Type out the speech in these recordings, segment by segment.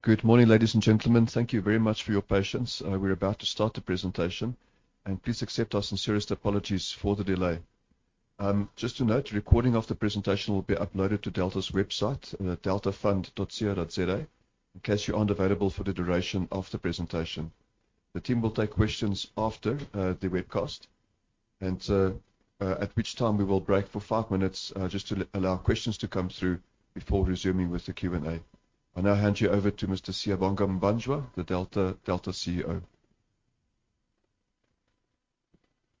Good morning, ladies and gentlemen. Thank you very much for your patience. We're about to start the presentation, and please accept our sincerest apologies for the delay. Just to note, recording of the presentation will be uploaded to Delta's website, deltafund.co.za, in case you aren't available for the duration of the presentation. The team will take questions after the webcast and at which time we will break for five minutes just to allow questions to come through before resuming with the Q&A. I now hand you over to Mr. Siyabonga Mbanjwa, the Delta CEO.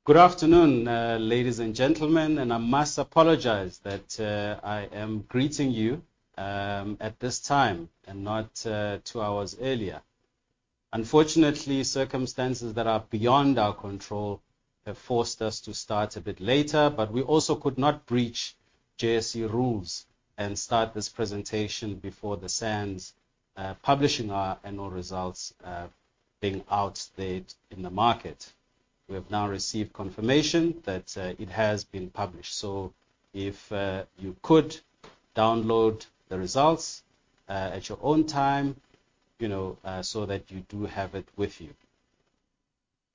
Good afternoon, ladies and gentlemen, and I must apologize that I am greeting you at this time and not two hours earlier. Unfortunately, circumstances that are beyond our control have forced us to start a bit later, but we also could not breach JSE rules and start this presentation before the SENS publishing our annual results, being out there in the market. We have now received confirmation that it has been published. If you could download the results at your own time, you know, so that you do have it with you.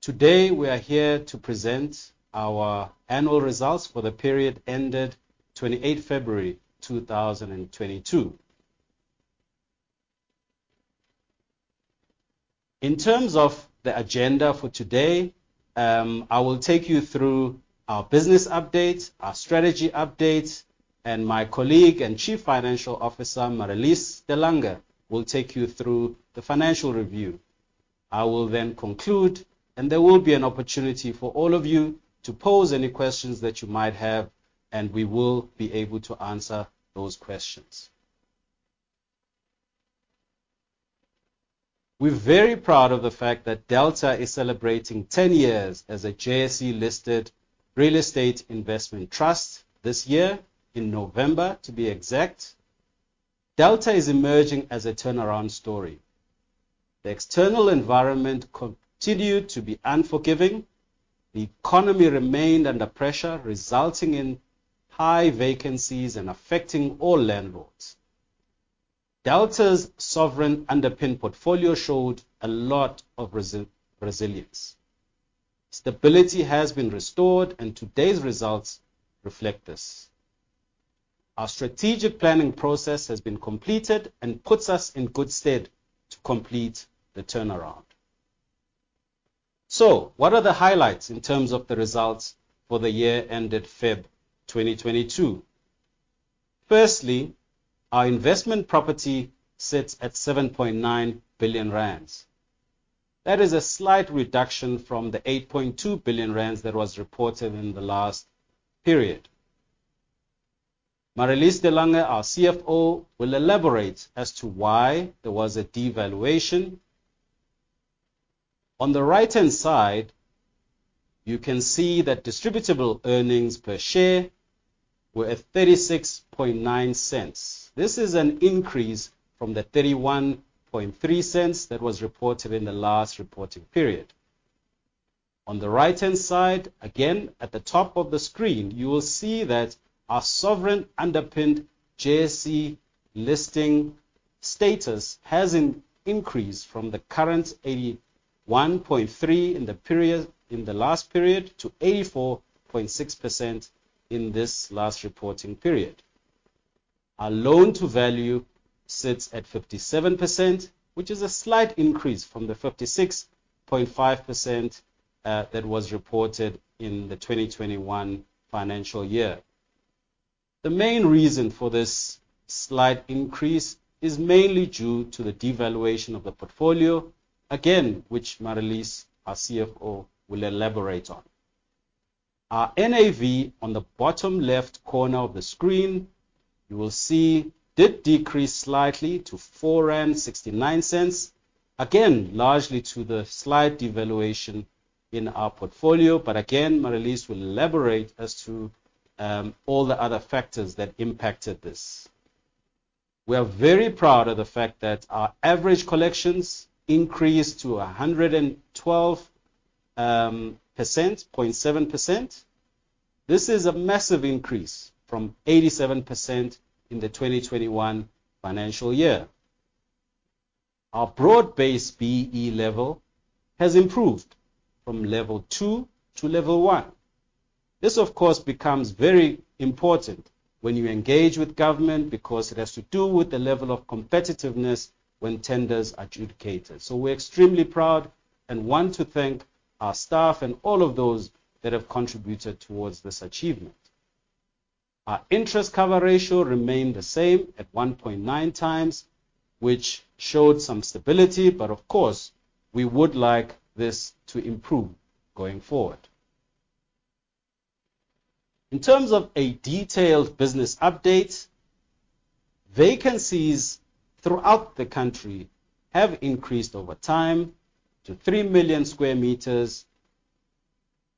Today, we are here to present our annual results for the period ended 28th February 2022. In terms of the agenda for today, I will take you through our business update, our strategy update, and my colleague and Chief Financial Officer, Marelise de Lange, will take you through the financial review. I will then conclude, and there will be an opportunity for all of you to pose any questions that you might have, and we will be able to answer those questions. We're very proud of the fact that Delta is celebrating 10 years as a JSE-listed real estate investment trust this year, in November to be exact. Delta is emerging as a turnaround story. The external environment continued to be unforgiving. The economy remained under pressure, resulting in high vacancies and affecting all landlords. Delta's sovereign underpinned portfolio showed a lot of resilience. Stability has been restored and today's results reflect this. Our strategic planning process has been completed and puts us in good stead to complete the turnaround. What are the highlights in terms of the results for the year ended February 2022? Firstly, our investment property sits at 7.9 billion rand. That is a slight reduction from the 8.2 billion rand that was reported in the last period. Marelise de Lange, our CFO, will elaborate as to why there was a devaluation. On the right-hand side, you can see that distributable earnings per share were at 0.369. This is an increase from the 0.313 that was reported in the last reporting period. On the right-hand side, again, at the top of the screen, you will see that our sovereign underpinned JSE listing status has increased from the current 81.3% in the period, in the last period, to 84.6% in this last reporting period. Our loan to value sits at 57%, which is a slight increase from the 56.5%, that was reported in the 2021 financial year. The main reason for this slight increase is mainly due to the devaluation of the portfolio, again, which Marelise, our CFO, will elaborate on. Our NAV on the bottom left corner of the screen, you will see did decrease slightly to 4.69, again, largely due to the slight devaluation in our portfolio. Again, Marelise will elaborate as to all the other factors that impacted this. We are very proud of the fact that our average collections increased to 112.7%. This is a massive increase from 87% in the 2021 financial year. Our broad-based BEE level has improved from level two to level one. This, of course, becomes very important when you engage with government because it has to do with the level of competitiveness when tenders adjudicated. We're extremely proud and want to thank our staff and all of those that have contributed towards this achievement. Our interest cover ratio remained the same at 1.9x, which showed some stability, but of course, we would like this to improve going forward. In terms of a detailed business update, vacancies throughout the country have increased over time to 3 million square meters.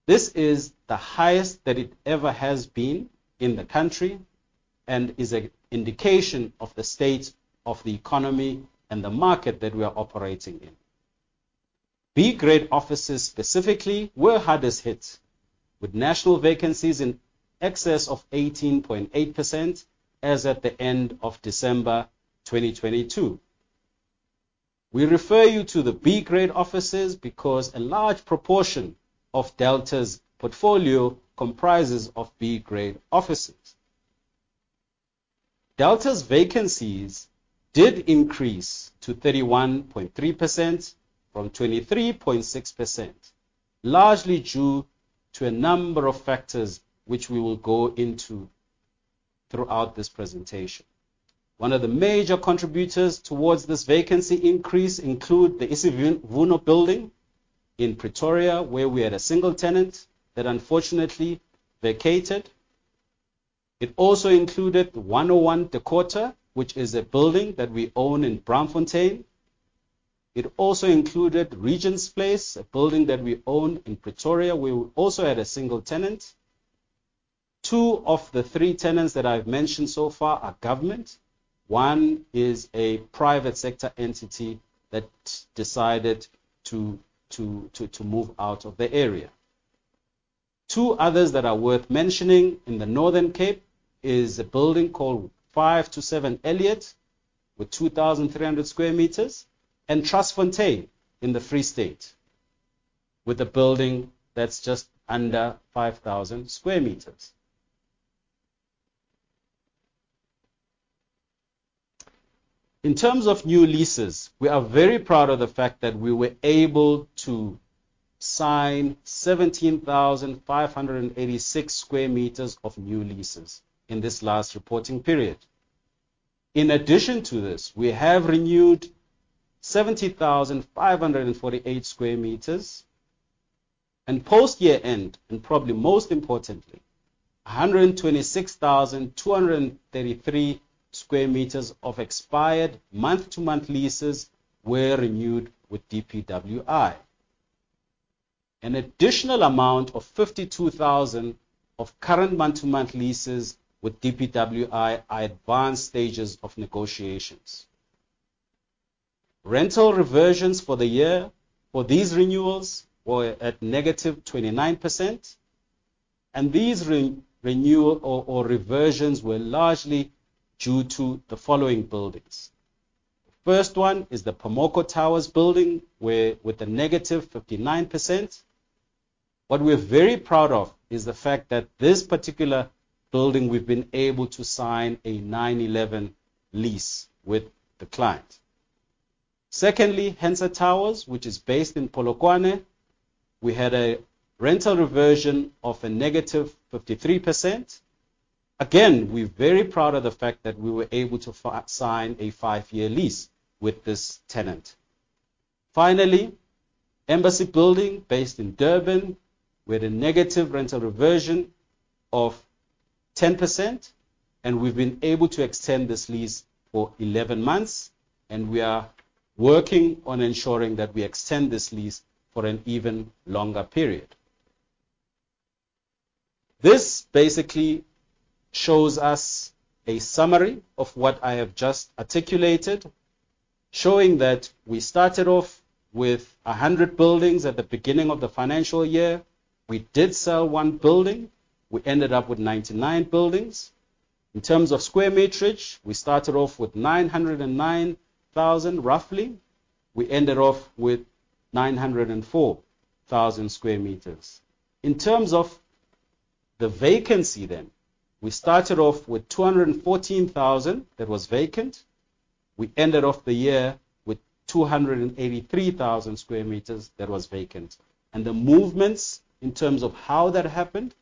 This is the highest that it ever has been in the country and is an indication of the state of the economy and the market that we are operating in. B-grade offices specifically were hardest hit, with national vacancies in excess of 18.8% as at the end of December 2022. We refer you to the B-grade offices because a large proportion of Delta's portfolio comprises of B-grade offices. Delta's vacancies did increase to 31.3% from 23.6%, largely due to a number of factors which we will go into throughout this presentation. One of the major contributors towards this vacancy increase include the Isivuno House in Pretoria, where we had a single tenant that unfortunately vacated. It also included 101 De Korte, which is a building that we own in Bloemfontein. It also included Regents Place, a building that we own in Pretoria. We also had a single tenant. Two of the three tenants that I've mentioned so far are government. One is a private sector entity that decided to move out of the area. Two others that are worth mentioning in the Northern Cape is a building called 5-7 Elliot with 2,300 square meters and Trustfontein in the Free State with a building that's just under 5,000 square meters. In terms of new leases, we are very proud of the fact that we were able to sign 17,586 square meters of new leases in this last reporting period. In addition to this, we have renewed 70,548 square meters. Post year-end, and probably most importantly, 126,233 square meters of expired month-to-month leases were renewed with DPWI. An additional amount of 52,000 of current month-to-month leases with DPWI are advanced stages of negotiations. Rental reversions for the year for these renewals were at -29%, and these reversions were largely due to the following buildings. First one is the Phamoko Towers building with a -59%. What we're very proud of is the fact that this particular building, we've been able to sign a nine-year lease with the client. Secondly, Hensel Towers, which is based in Polokwane. We had a rental reversion of a -53%. Again, we're very proud of the fact that we were able to sign a five-year lease with this tenant. Finally, Embassy Building based in Durban with a negative rental reversion of 10%, and we've been able to extend this lease for 11 months, and we are working on ensuring that we extend this lease for an even longer period. This basically shows us a summary of what I have just articulated, showing that we started off with 100 buildings at the beginning of the financial year. We did sell 1 building. We ended up with 99 buildings. In terms of square meterage, we started off with 909,000, roughly. We ended off with 904,000 square meters. In terms of the vacancy then, we started off with 214,000 that was vacant. We ended off the year with 283,000 square meters that was vacant. The movements in terms of how that happened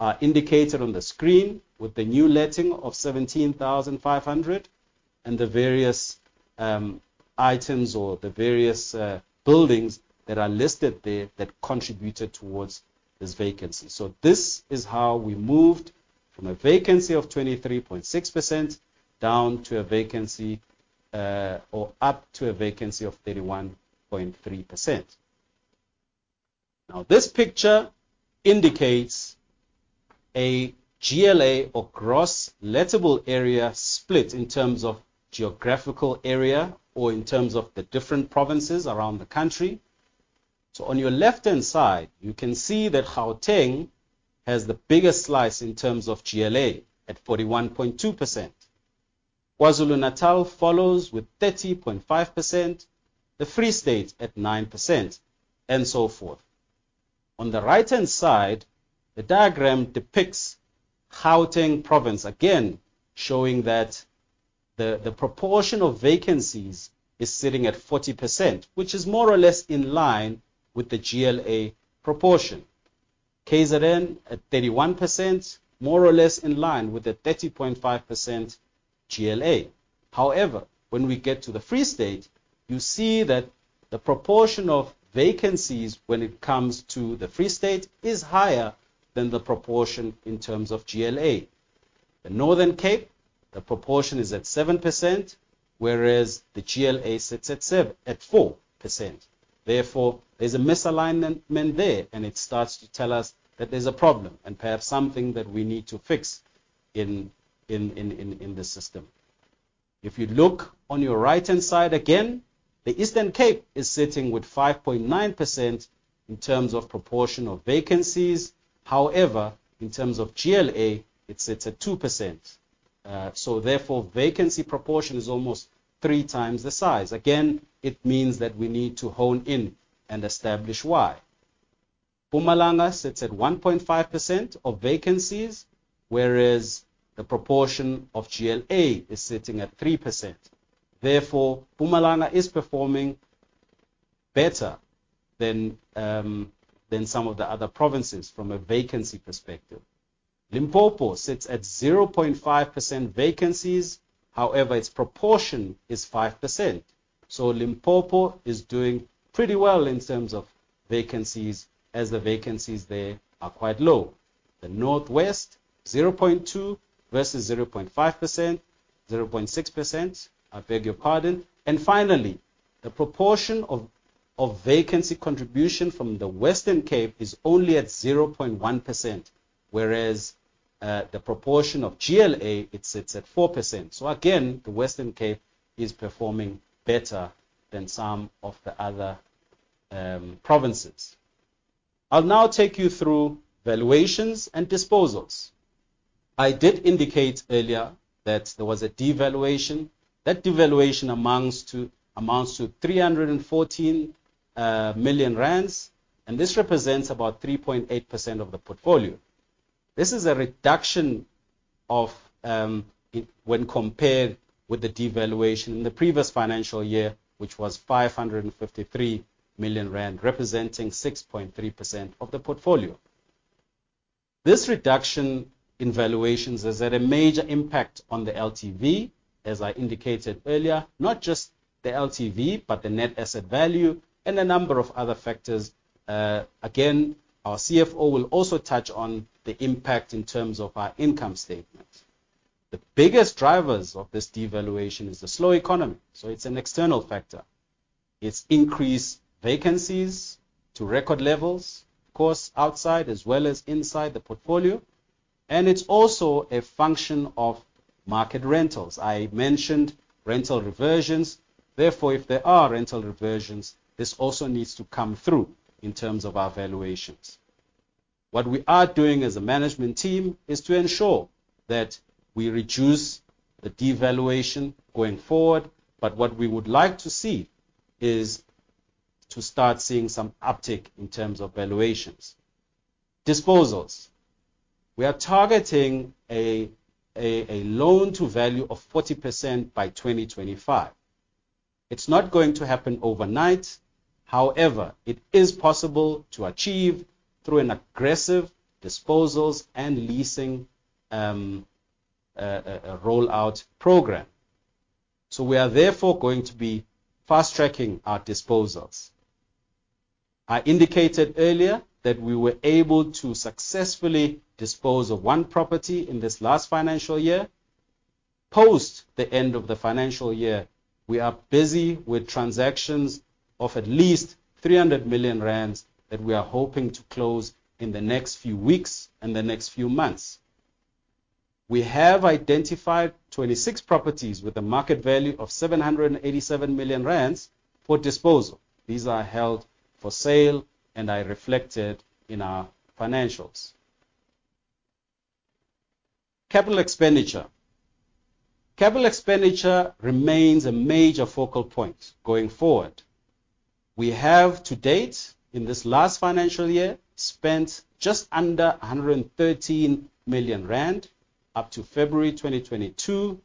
are indicated on the screen with the new letting of 17,500 and the various items or the various buildings that are listed there that contributed towards this vacancy. This is how we moved from a vacancy of 23.6% down to a vacancy or up to a vacancy of 31.3%. Now, this picture indicates a GLA or gross lettable area split in terms of geographical area or in terms of the different provinces around the country. On your left-hand side, you can see that Gauteng has the biggest slice in terms of GLA at 41.2%. KwaZulu-Natal follows with 30.5%, the Free State at 9%, and so forth. On the right-hand side, the diagram depicts Gauteng Province, again, showing that the proportion of vacancies is sitting at 40%, which is more or less in line with the GLA proportion. KZN at 31%, more or less in line with the 30.5% GLA. However, when we get to the Free State, you see that the proportion of vacancies when it comes to the Free State is higher than the proportion in terms of GLA. The Northern Cape, the proportion is at 7%, whereas the GLA sits at 4%. Therefore, there's a misalignment there, and it starts to tell us that there's a problem and perhaps something that we need to fix in the system. If you look on your right-hand side again, the Eastern Cape is sitting with 5.9% in terms of proportion of vacancies. However, in terms of GLA, it sits at 2%. Therefore, vacancy proportion is almost three times the size. Again, it means that we need to hone in and establish why. Mpumalanga sits at 1.5% of vacancies, whereas the proportion of GLA is sitting at 3%. Therefore, Mpumalanga is performing better than some of the other provinces from a vacancy perspective. Limpopo sits at 0.5% vacancies. However, its proportion is 5%, so Limpopo is doing pretty well in terms of vacancies as the vacancies there are quite low. The North West, 0.2% versus 0.6%, I beg your pardon. Finally, the proportion of vacancy contribution from the Western Cape is only at 0.1%, whereas, the proportion of GLA, it sits at 4%. Again, the Western Cape is performing better than some of the other, provinces. I'll now take you through valuations and disposals. I did indicate earlier that there was a devaluation. That devaluation amounts to 314 million rand, and this represents about 3.8% of the portfolio. This is a reduction of, When compared with the devaluation in the previous financial year, which was 553 million rand, representing 6.3% of the portfolio. This reduction in valuations has had a major impact on the LTV, as I indicated earlier, not just the LTV, but the net asset value and a number of other factors. Again, our CFO will also touch on the impact in terms of our income statement. The biggest drivers of this devaluation is the slow economy, so it's an external factor. It's increased vacancies to record levels, of course, outside as well as inside the portfolio. And it's also a function of market rentals. I mentioned rental reversions. Therefore, if there are rental reversions, this also needs to come through in terms of our valuations. What we are doing as a management team is to ensure that we reduce the devaluation going forward. What we would like to see is to start seeing some uptick in terms of valuations. Disposals. We are targeting a loan-to-value of 40% by 2025. It's not going to happen overnight. However, it is possible to achieve through an aggressive disposals and leasing rollout program. We are therefore going to be fast-tracking our disposals. I indicated earlier that we were able to successfully dispose of one property in this last financial year. Post the end of the financial year, we are busy with transactions of at least 300 million rand that we are hoping to close in the next few weeks and the next few months. We have identified 26 properties with a market value of 787 million rand for disposal. These are held for sale and are reflected in our financials. Capital expenditure. Capital expenditure remains a major focal point going forward. We have to date, in this last financial year, spent just under 113 million rand up to February 2022.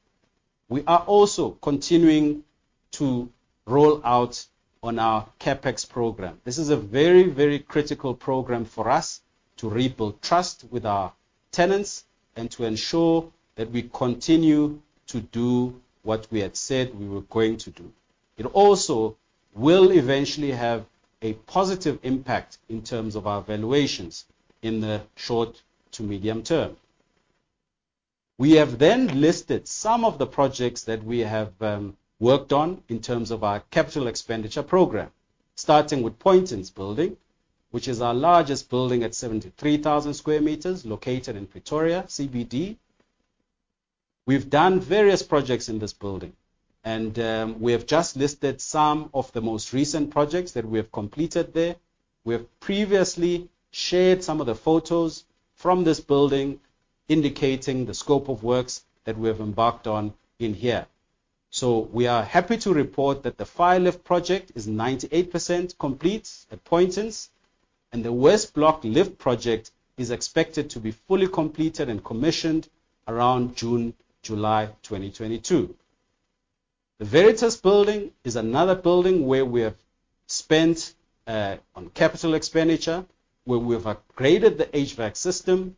We are also continuing to roll out on our CapEx program. This is a very, very critical program for us to rebuild trust with our tenants and to ensure that we continue to do what we had said we were going to do. It also will eventually have a positive impact in terms of our valuations in the short to medium term. We have listed some of the projects that we have worked on in terms of our capital expenditure program, starting with Poynton's building, which is our largest building at 73,000 square meters located in Pretoria CBD. We've done various projects in this building, and we have just listed some of the most recent projects that we have completed there. We have previously shared some of the photos from this building indicating the scope of works that we have embarked on in here. We are happy to report that the fire lift project is 98% complete at Poynton's, and the West Block lift project is expected to be fully completed and commissioned around June, July 2022. The Veritas Building is another building where we have spent on capital expenditure, where we have upgraded the HVAC system.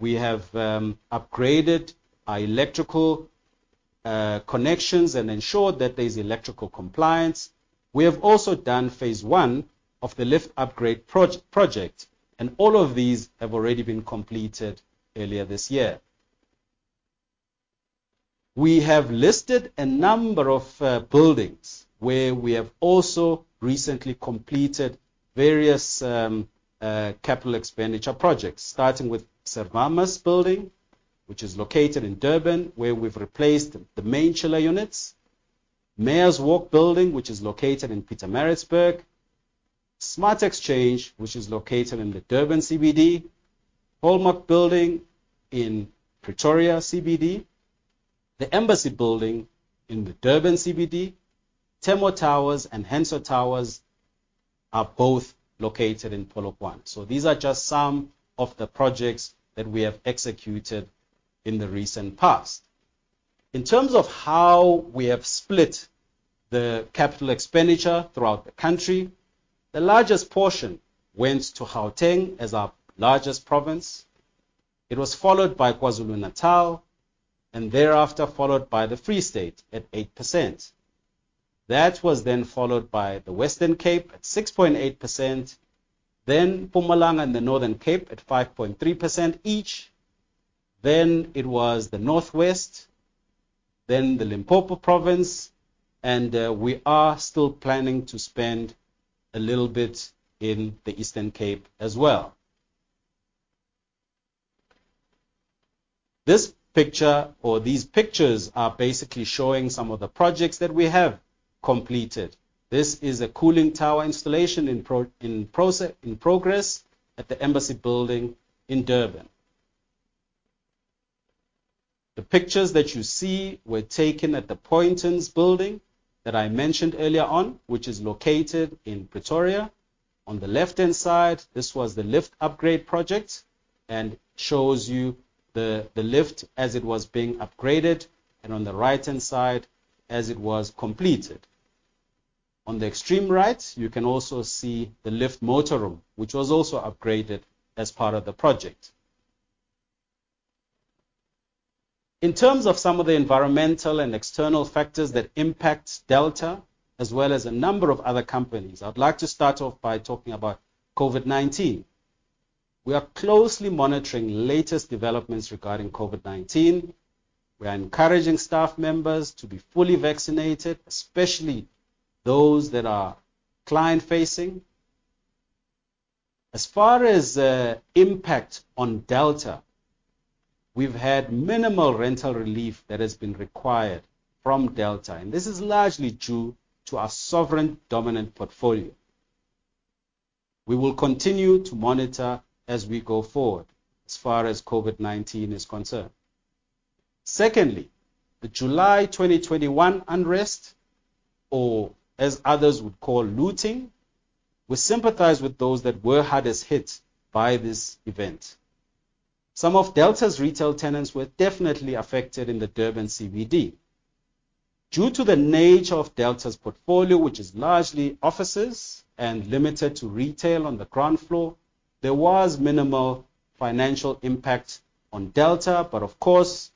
We have upgraded our electrical connections and ensured that there's electrical compliance. We have also done phase I of the lift upgrade project, and all of these have already been completed earlier this year. We have listed a number of buildings where we have also recently completed various capital expenditure projects, starting with Servamus Building, which is located in Durban, where we've replaced the main chiller units. Mayor's Walk Building, which is located in Pietermaritzburg. Smart Exchange, which is located in the Durban CBD. Hallmark Building in Pretoria CBD. The Embassy Building in the Durban CBD. Tembo Towers and Hensel Towers are both located in Polokwane. These are just some of the projects that we have executed in the recent past. In terms of how we have split the capital expenditure throughout the country, the largest portion went to Gauteng as our largest province. It was followed by KwaZulu-Natal, and thereafter followed by the Free State at 8%. That was then followed by the Western Cape at 6.8%, then Mpumalanga and the Northern Cape at 5.3% each, then it was the North West, then the Limpopo Province, and we are still planning to spend a little bit in the Eastern Cape as well. This picture or these pictures are basically showing some of the projects that we have completed. This is a cooling tower installation in progress at the Embassy Building in Durban. The pictures that you see were taken at the Poynton's Building that I mentioned earlier on, which is located in Pretoria. On the left-hand side, this was the lift upgrade project, and shows you the lift as it was being upgraded and on the right-hand side as it was completed. On the extreme right, you can also see the lift motor room, which was also upgraded as part of the project. In terms of some of the environmental and external factors that impact Delta as well as a number of other companies, I'd like to start off by talking about COVID-19. We are closely monitoring latest developments regarding COVID-19. We are encouraging staff members to be fully vaccinated, especially those that are client-facing. As far as impact on Delta, we've had minimal rental relief that has been required from Delta, and this is largely due to our sovereign dominant portfolio. We will continue to monitor as we go forward as far as COVID-19 is concerned. Secondly, the July 2021 unrest or as others would call looting. We sympathize with those that were hardest hit by this event. Some of Delta's retail tenants were definitely affected in the Durban CBD. Due to the nature of Delta's portfolio, which is largely offices and limited to retail on the ground floor, there was minimal financial impact on Delta. Of course,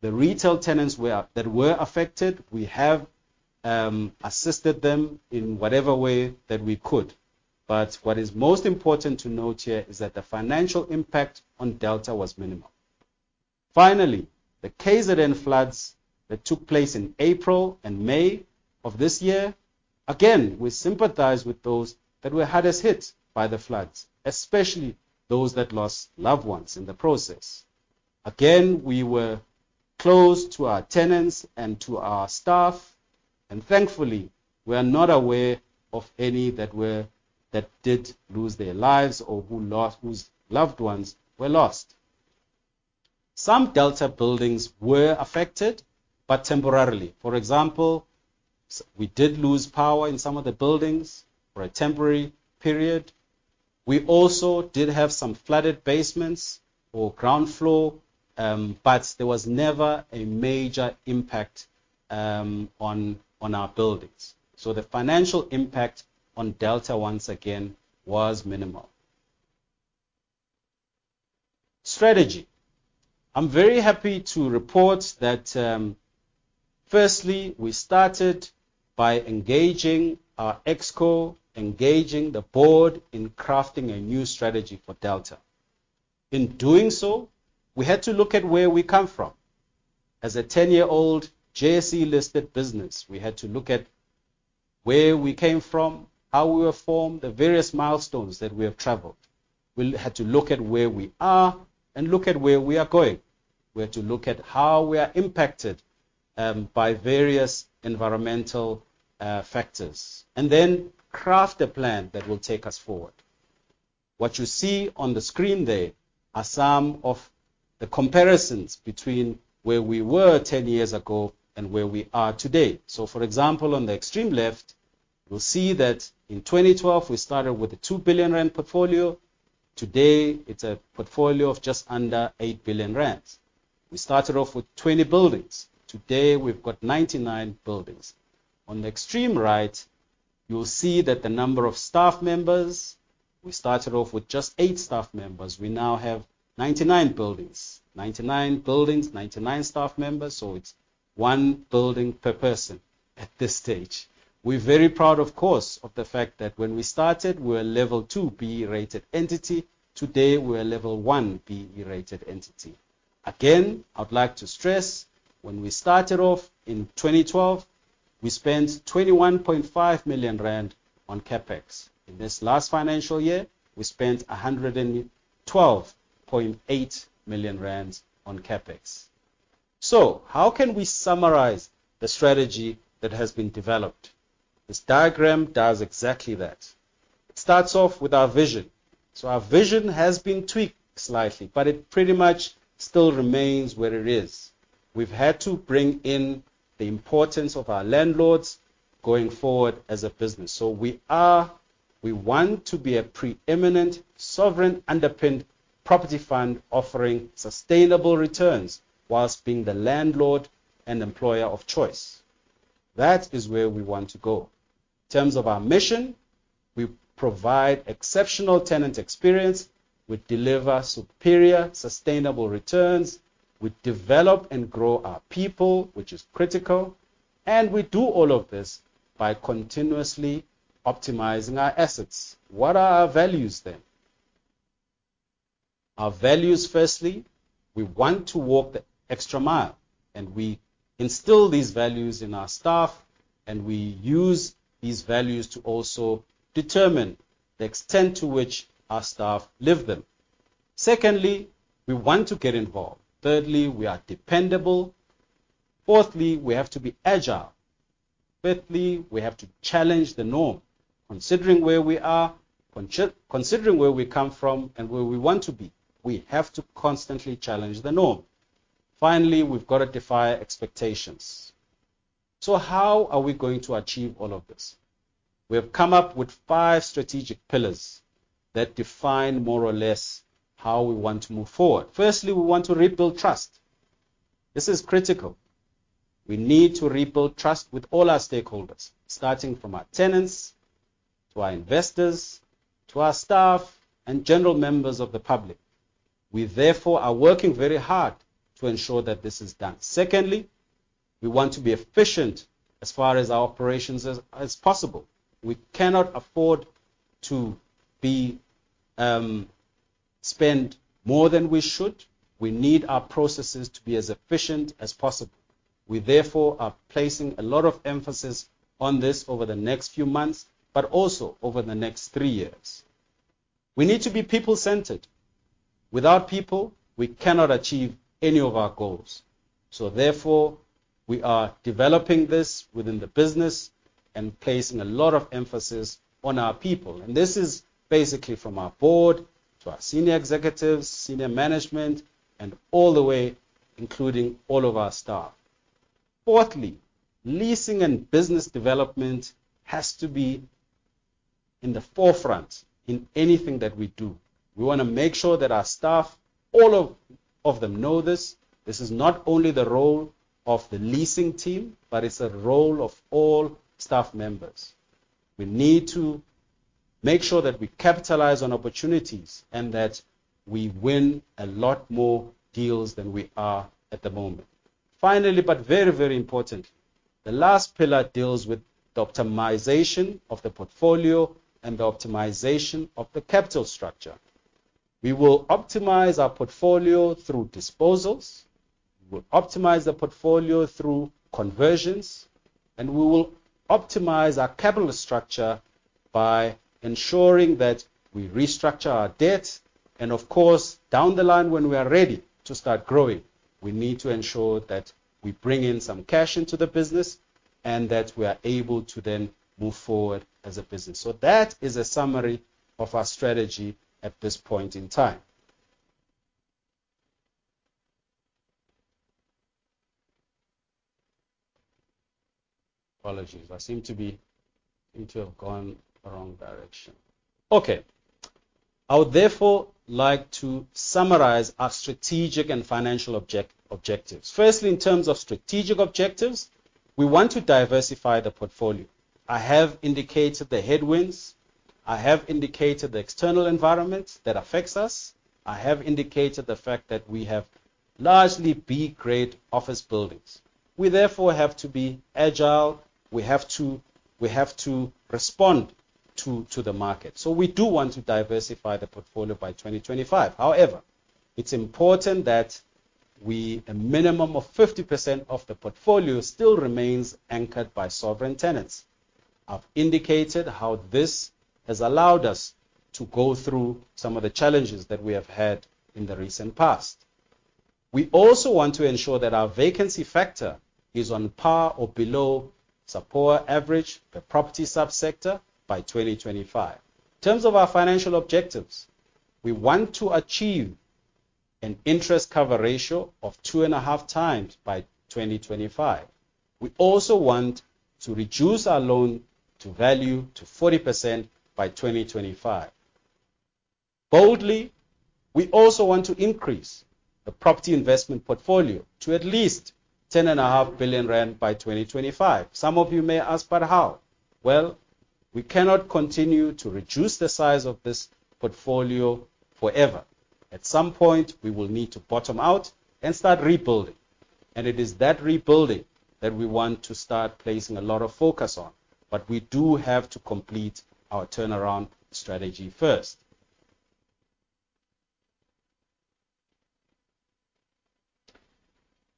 the retail tenants that were affected, we have assisted them in whatever way that we could. What is most important to note here is that the financial impact on Delta was minimal. Finally, the KZN floods that took place in April and May of this year. Again, we sympathize with those that were hardest hit by the floods, especially those that lost loved ones in the process. Again, we were close to our tenants and to our staff, and thankfully, we are not aware of any that did lose their lives or whose loved ones were lost. Some Delta buildings were affected, but temporarily. For example, we did lose power in some of the buildings for a temporary period. We also did have some flooded basements or ground floor, but there was never a major impact on our buildings. The financial impact on Delta once again was minimal. Strategy. I'm very happy to report that, firstly, we started by engaging our Exco and the board in crafting a new strategy for Delta. In doing so, we had to look at where we come from. As a 10-year-old JSE-listed business, we had to look at where we came from, how we were formed, the various milestones that we have traveled. We had to look at where we are and look at where we are going. We had to look at how we are impacted by various environmental factors, and then craft a plan that will take us forward. What you see on the screen there are some of the comparisons between where we were 10 years ago and where we are today. For example, on the extreme left, you'll see that in 2012, we started with a 2 billion rand portfolio. Today, it's a portfolio of just under 8 billion rand. We started off with 20 buildings. Today, we've got 99 buildings. On the extreme right, you'll see that the number of staff members, we started off with just eight staff members. We now have 99 buildings. 99 buildings, 99 staff members, so it's one building per person at this stage. We're very proud, of course, of the fact that when we started, we were a level two BEE-rated entity. Today, we're a level one BEE-rated entity. Again, I'd like to stress, when we started off in 2012, we spent 21.5 million rand on CapEx. In this last financial year, we spent 112.8 million rand on CapEx. How can we summarize the strategy that has been developed? This diagram does exactly that. It starts off with our vision. Our vision has been tweaked slightly, but it pretty much still remains where it is. We've had to bring in the importance of our landlords going forward as a business. We want to be a pre-eminent, sovereign, underpinned property fund offering sustainable returns while being the landlord and employer of choice. That is where we want to go. In terms of our mission, we provide exceptional tenant experience, we deliver superior, sustainable returns, we develop and grow our people, which is critical, and we do all of this by continuously optimizing our assets. What are our values then? Our values, firstly, we want to walk the extra mile, and we instill these values in our staff, and we use these values to also determine the extent to which our staff live them. Secondly, we want to get involved. Thirdly, we are dependable. Fourthly, we have to be agile. Fifthly, we have to challenge the norm. Considering where we are, considering where we come from and where we want to be, we have to constantly challenge the norm. Finally, we've got to defy expectations. How are we going to achieve all of this? We have come up with five strategic pillars that define more or less how we want to move forward. Firstly, we want to rebuild trust. This is critical. We need to rebuild trust with all our stakeholders, starting from our tenants to our investors, to our staff and general members of the public. We therefore are working very hard to ensure that this is done. Secondly, we want to be efficient as far as our operations as possible. We cannot afford to spend more than we should. We need our processes to be as efficient as possible. We therefore are placing a lot of emphasis on this over the next few months, but also over the next three years. We need to be people-centered. Without people, we cannot achieve any of our goals. Therefore, we are developing this within the business and placing a lot of emphasis on our people. This is basically from our board to our senior executives, senior management, and all the way, including all of our staff. Fourthly, leasing and business development has to be in the forefront in anything that we do. We wanna make sure that our staff, all of them know this. This is not only the role of the leasing team, but it's a role of all staff members. We need to make sure that we capitalize on opportunities and that we win a lot more deals than we are at the moment. Finally, but very, very important, the last pillar deals with the optimization of the portfolio and the optimization of the capital structure. We will optimize our portfolio through disposals. We'll optimize the portfolio through conversions, and we will optimize our capital structure by ensuring that we restructure our debt, and of course, down the line, when we are ready to start growing, we need to ensure that we bring in some cash into the business and that we are able to then move forward as a business. That is a summary of our strategy at this point in time. Apologies. I seem to have gone the wrong direction. Okay. I would therefore like to summarize our strategic and financial objectives. Firstly, in terms of strategic objectives, we want to diversify the portfolio. I have indicated the headwinds. I have indicated the external environment that affects us. I have indicated the fact that we have largely B-grade office buildings. We therefore have to be agile. We have to respond to the market. We do want to diversify the portfolio by 2025. However, it's important that we a minimum of 50% of the portfolio still remains anchored by sovereign tenants. I've indicated how this has allowed us to go through some of the challenges that we have had in the recent past. We also want to ensure that our vacancy factor is on par or below SAPOA average, the property sub-sector by 2025. In terms of our financial objectives, we want to achieve an interest cover ratio of 2.5x by 2025. We also want to reduce our loan-to-value to 40% by 2025. Boldly, we also want to increase the property investment portfolio to at least 10.5 billion rand by 2025. Some of you may ask, "But how?" Well, we cannot continue to reduce the size of this portfolio forever. At some point, we will need to bottom out and start rebuilding. It is that rebuilding that we want to start placing a lot of focus on, but we do have to complete our turnaround strategy first.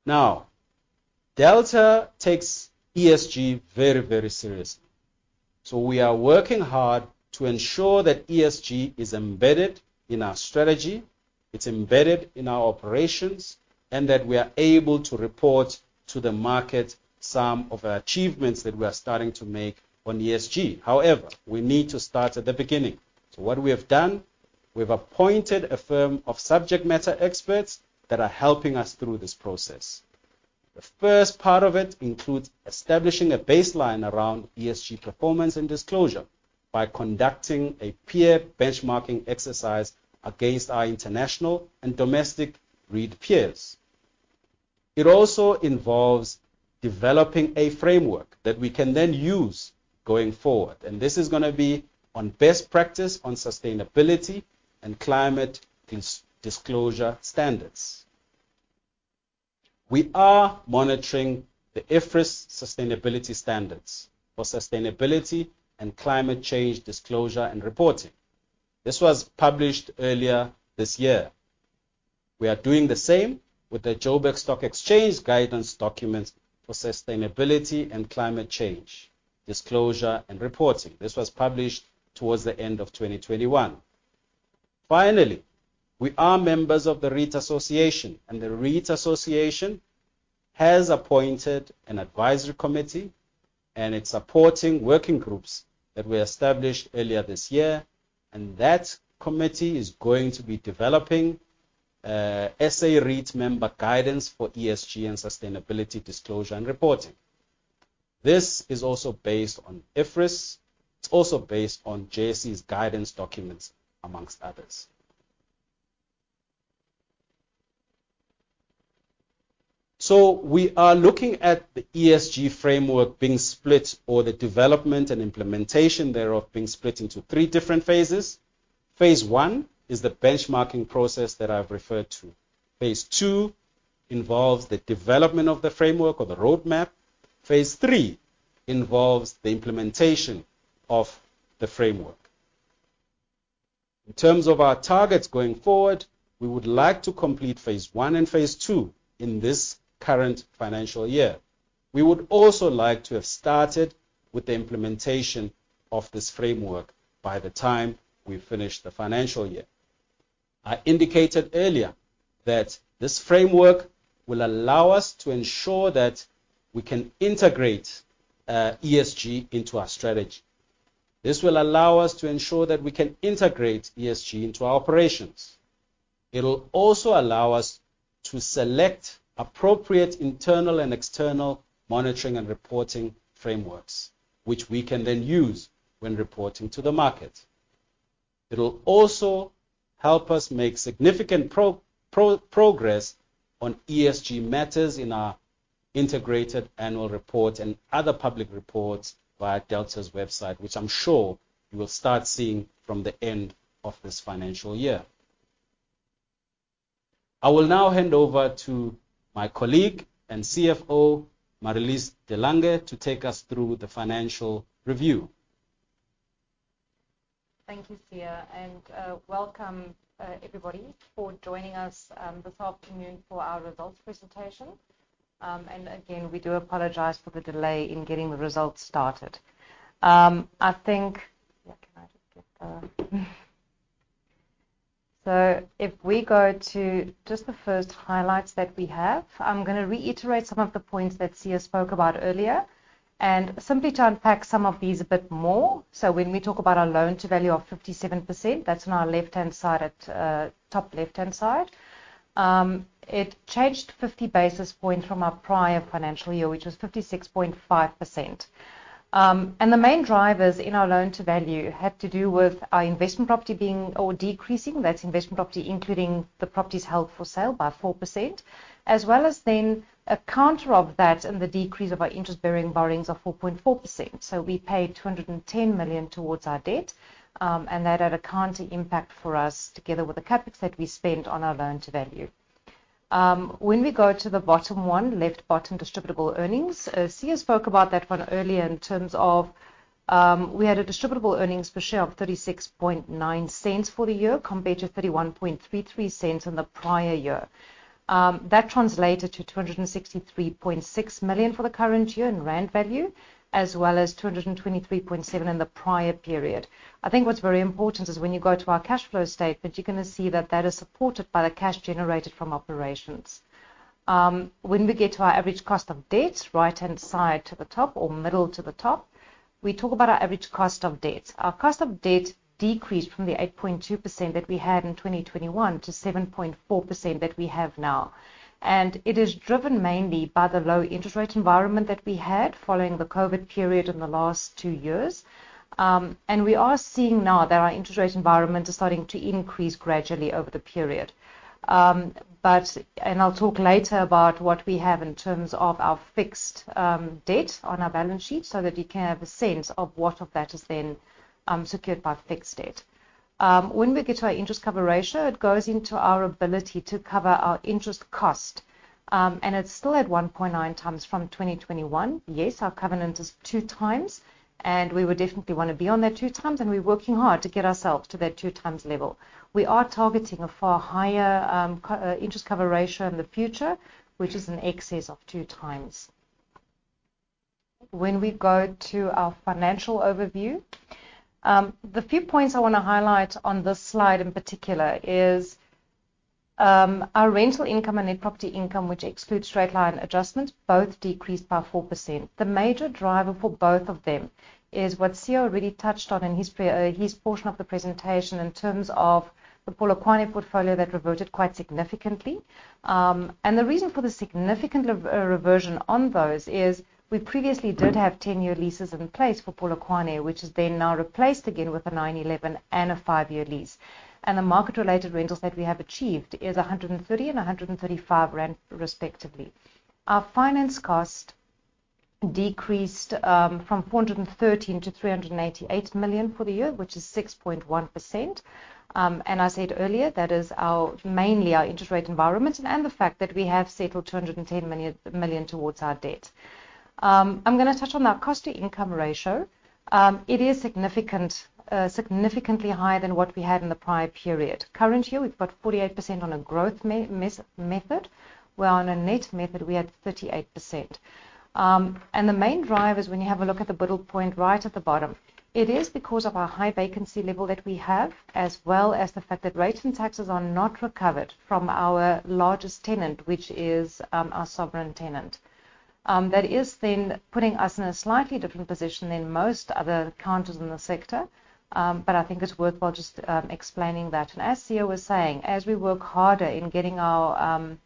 Now, Delta takes ESG very, very seriously. We are working hard to ensure that ESG is embedded in our strategy, it's embedded in our operations, and that we are able to report to the market some of our achievements that we are starting to make on ESG. However, we need to start at the beginning. What we have done, we've appointed a firm of subject matter experts that are helping us through this process. The first part of it includes establishing a baseline around ESG performance and disclosure by conducting a peer benchmarking exercise against our international and domestic REIT peers. It also involves developing a framework that we can then use going forward, and this is gonna be on best practice on sustainability and climate disclosure standards. We are monitoring the IFRS sustainability standards for sustainability and climate change disclosure and reporting. This was published earlier this year. We are doing the same with the Johannesburg Stock Exchange guidance documents for sustainability and climate change disclosure and reporting. This was published towards the end of 2021. Finally, we are members of the SA REIT Association, and the SA REIT Association has appointed an advisory committee and its supporting working groups that were established earlier this year, and that committee is going to be developing SA REIT's member guidance for ESG and sustainability disclosure and reporting. This is also based on IFRS. It's also based on JSE's guidance documents, among others. We are looking at the ESG framework being split, or the development and implementation thereof being split into three different phases. Phase I is the benchmarking process that I've referred to. Phase II involves the development of the framework or the roadmap. Phase III involves the implementation of the framework. In terms of our targets going forward, we would like to complete phase I and phase III in this current financial year. We would also like to have started with the implementation of this framework by the time we finish the financial year. I indicated earlier that this framework will allow us to ensure that we can integrate ESG into our strategy. This will allow us to ensure that we can integrate ESG into our operations. It'll also allow us to select appropriate internal and external monitoring and reporting frameworks, which we can then use when reporting to the market. It'll also help us make significant progress on ESG matters in our integrated annual report and other public reports via Delta's website, which I'm sure you will start seeing from the end of this financial year. I will now hand over to my colleague and CFO, Marelise de Lange, to take us through the financial review. Thank you, Siya, and welcome, everybody, for joining us this afternoon for our results presentation. Again, we do apologize for the delay in getting the results started. If we go to just the first highlights that we have, I'm gonna reiterate some of the points that Siya spoke about earlier, and simply to unpack some of these a bit more. When we talk about our loan-to-value of 57%, that's on our left-hand side at top left-hand side. It changed 50 basis points from our prior financial year, which was 56.5%. The main drivers in our loan-to-value had to do with our investment property being or decreasing. That's investment property, including the properties held for sale by 4%, as well as then a counter of that and the decrease of our interest-bearing borrowings of 4.4%. We paid 210 million towards our debt, and that had a counter impact for us together with the CapEx that we spent on our loan-to-value. When we go to the bottom left, distributable earnings, Siya spoke about that one earlier in terms of we had a distributable earnings per share of 0.369 for the year compared to 0.3133 in the prior year. That translated to 263.6 million for the current year in rand value, as well as 223.7 million in the prior period. I think what's very important is when you go to our cash flow statement, you're gonna see that that is supported by the cash generated from operations. When we get to our average cost of debt, right-hand side to the top or middle to the top, we talk about our average cost of debt. Our cost of debt decreased from the 8.2% that we had in 2021 to 7.4% that we have now. It is driven mainly by the low interest rate environment that we had following the COVID period in the last two years. We are seeing now that our interest rate environment is starting to increase gradually over the period. I'll talk later about what we have in terms of our fixed debt on our balance sheet, so that you can have a sense of what of that is then secured by fixed debt. When we get to our interest cover ratio, it goes into our ability to cover our interest cost, and it's still at 1.9x from 2021. Yes, our covenant is two times, and we would definitely wanna be on that two times, and we're working hard to get ourselves to that two times level. We are targeting a far higher interest cover ratio in the future, which is in excess of two times. When we go to our financial overview, the few points I wanna highlight on this slide in particular is, our rental income and net property income, which excludes straight-line adjustments, both decreased by 4%. The major driver for both of them is what Siya already touched on in his portion of the presentation in terms of the Polokwane portfolio that reverted quite significantly. The reason for the significant reversion on those is we previously did have 10-year leases in place for Polokwane, which has been now replaced again with a 9-11-year and a five-year lease. The market-related rentals that we have achieved is 130 and 135 rand respectively. Our finance cost decreased from 413 million to 388 million for the year, which is 6.1%. I said earlier, that is our, mainly our interest rate environment and the fact that we have settled 210 million towards our debt. I'm gonna touch on our cost-to-income ratio. It is significantly higher than what we had in the prior period. Current year, we've got 48% on a growth method, while on a net method we had 38%. The main driver is when you have a look at the bullet point right at the bottom. It is because of our high vacancy level that we have, as well as the fact that rates and taxes are not recovered from our largest tenant, which is our sovereign tenant. That is then putting us in a slightly different position than most other counterparts in the sector, but I think it's worthwhile just explaining that. As Siya was saying, as we work harder in getting our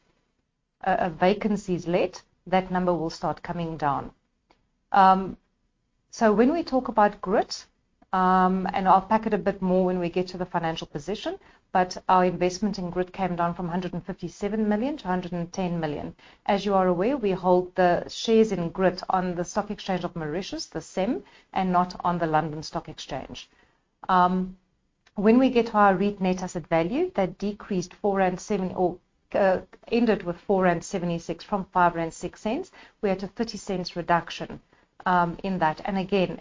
vacancies let, that number will start coming down. When we talk about Grit, and I'll unpack it a bit more when we get to the financial position, but our investment in Grit came down from 157 million to 110 million. As you are aware, we hold the shares in Grit on the Stock Exchange of Mauritius, the SEM, and not on the London Stock Exchange. When we get to our REIT net asset value, that decreased 4.70 or ended with 4.76 from 5.06. We're at a 0.30 reduction in that.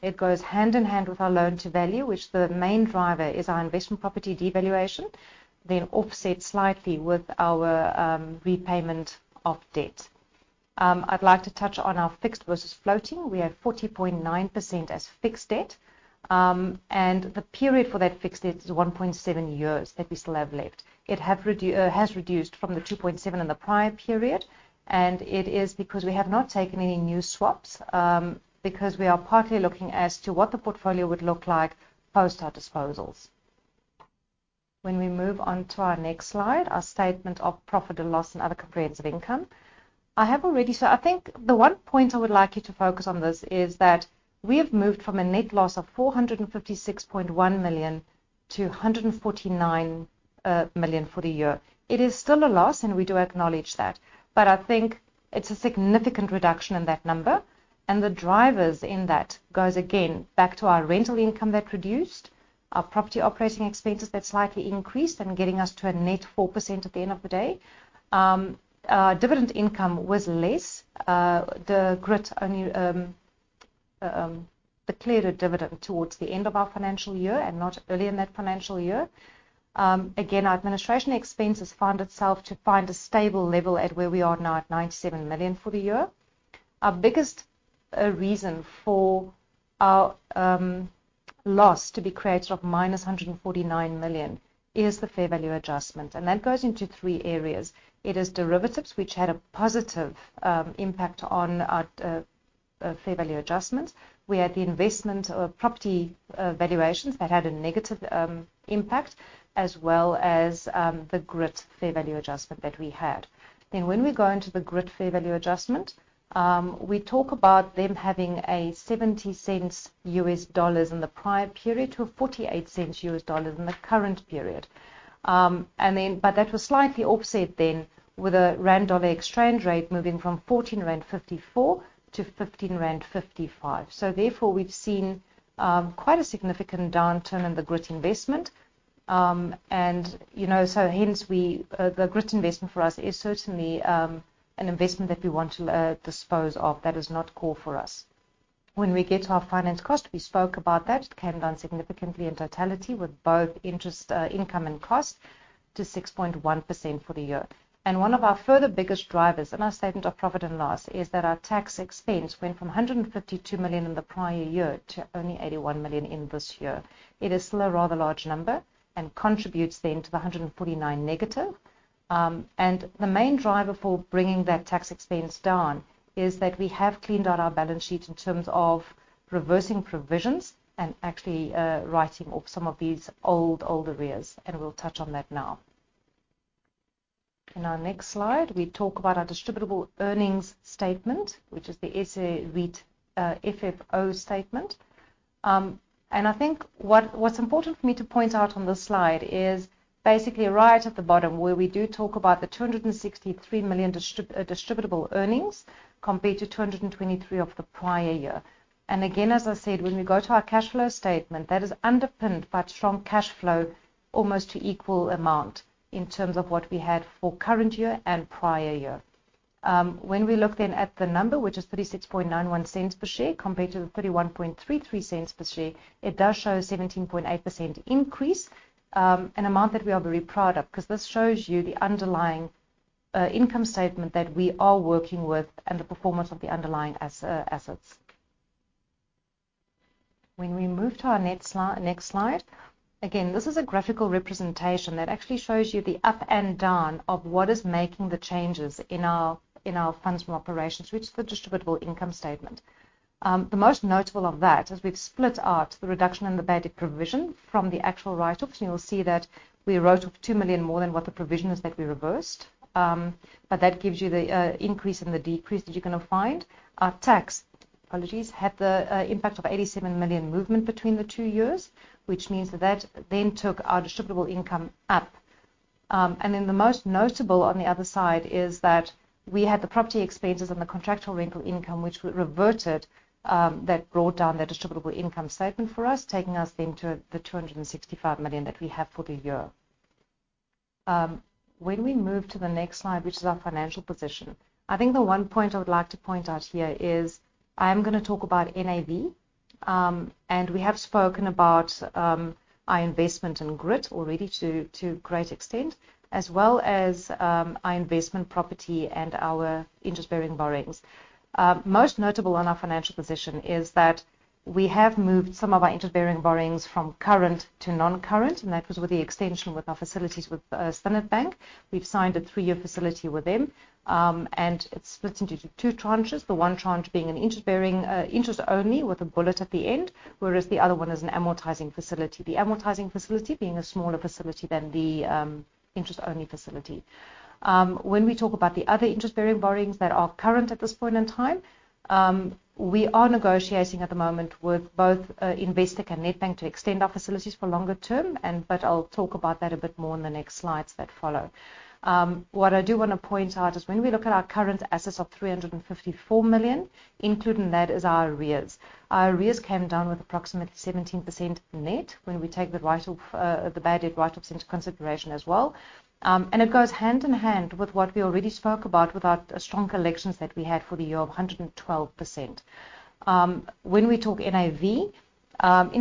It goes hand in hand with our loan-to-value, which the main driver is our investment property devaluation, then offset slightly with our repayment of debt. I'd like to touch on our fixed versus floating. We have 40.9% as fixed debt, and the period for that fixed debt is 1.7 years that we still have left. It has reduced from the 2.7 in the prior period, and it is because we have not taken any new swaps, because we are partly looking as to what the portfolio would look like post our disposals. When we move on to our next slide, our statement of profit and loss and other comprehensive income. I have already. I think the one point I would like you to focus on this is that we have moved from a net loss of 456.1 million to 149 million for the year. It is still a loss, and we do acknowledge that, but I think it's a significant reduction in that number. The drivers in that goes again back to our rental income that reduced, our property operating expenses that slightly increased and getting us to a net 4% at the end of the day. Dividend income was less. The Grit only declared a dividend towards the end of our financial year and not early in that financial year. Again, our administration expenses found itself to find a stable level at where we are now at 97 million for the year. Our biggest reason for our loss to be created of -149 million is the fair value adjustment, and that goes into three areas. It is derivatives, which had a positive impact on our fair value adjustments. We had the investment property valuations that had a negative impact, as well as the Grit fair value adjustment that we had. When we go into the Grit fair value adjustment, we talk about them having $0.70 in the prior period to $0.48 in the current period. That was slightly offset then with a rand/dollar exchange rate moving from 14.54 to 15.55. Therefore, we've seen quite a significant downturn in the Grit investment. Hence the Grit investment for us is certainly an investment that we want to dispose of, that is not core for us. When we get to our finance cost, we spoke about that. It came down significantly in totality with both interest income and cost to 6.1% for the year. One of our further biggest drivers in our statement of profit and loss is that our tax expense went from 152 million in the prior year to only 81 million in this year. It is still a rather large number and contributes then to the negative ZAR 149 million. The main driver for bringing that tax expense down is that we have cleaned out our balance sheet in terms of reversing provisions and actually writing off some of these old arrears, and we'll touch on that now. In our next slide, we talk about our distributable earnings statement, which is the SA REIT FFO statement. I think what's important for me to point out on this slide is basically right at the bottom where we do talk about the 263 million distributable earnings compared to 223 million of the prior year. Again, as I said, when we go to our cash flow statement, that is underpinned by strong cash flow almost to equal amount in terms of what we had for current year and prior year. When we look then at the number, which is 0.3691 per share compared to the 0.3133 per share, it does show a 17.8% increase, an amount that we are very proud of because this shows you the underlying income statement that we are working with and the performance of the underlying assets. When we move to our next slide. Again, this is a graphical representation that actually shows you the up and down of what is making the changes in our funds from operations, which is the distributable income statement. The most notable of that, as we've split out the reduction in the bad debt provision from the actual write-offs, and you'll see that we wrote off 2 million more than what the provision is that we reversed. That gives you the increase and the decrease that you're gonna find. Our tax, apologies, had the impact of 87 million movement between the two years, which means that that then took our distributable income up. The most notable on the other side is that we had the property expenses and the contractual rental income, which we reverted, that brought down that distributable income statement for us, taking us then to the 265 million that we have for the year. When we move to the next slide, which is our financial position, I think the one point I would like to point out here is I am gonna talk about NAV, and we have spoken about our investment in Grit already to a great extent, as well as our investment property and our interest-bearing borrowings. Most notable on our financial position is that we have moved some of our interest-bearing borrowings from current to non-current, and that was with the extension with our facilities with Standard Bank. We've signed a three-year facility with them, and it splits into two tranches. The one tranche being an interest-bearing interest only with a bullet at the end, whereas the other one is an amortizing facility. The amortizing facility being a smaller facility than the interest-only facility. When we talk about the other interest-bearing borrowings that are current at this point in time, we are negotiating at the moment with both Investec and Nedbank to extend our facilities for longer term, but I'll talk about that a bit more in the next slides that follow. What I do wanna point out is when we look at our current assets of 354 million, including that is our arrears. Our arrears came down with approximately 17% net when we take the write-off, the bad debt write-offs into consideration as well. It goes hand in hand with what we already spoke about with our strong collections that we had for the year of 112%. When we talk NAV, in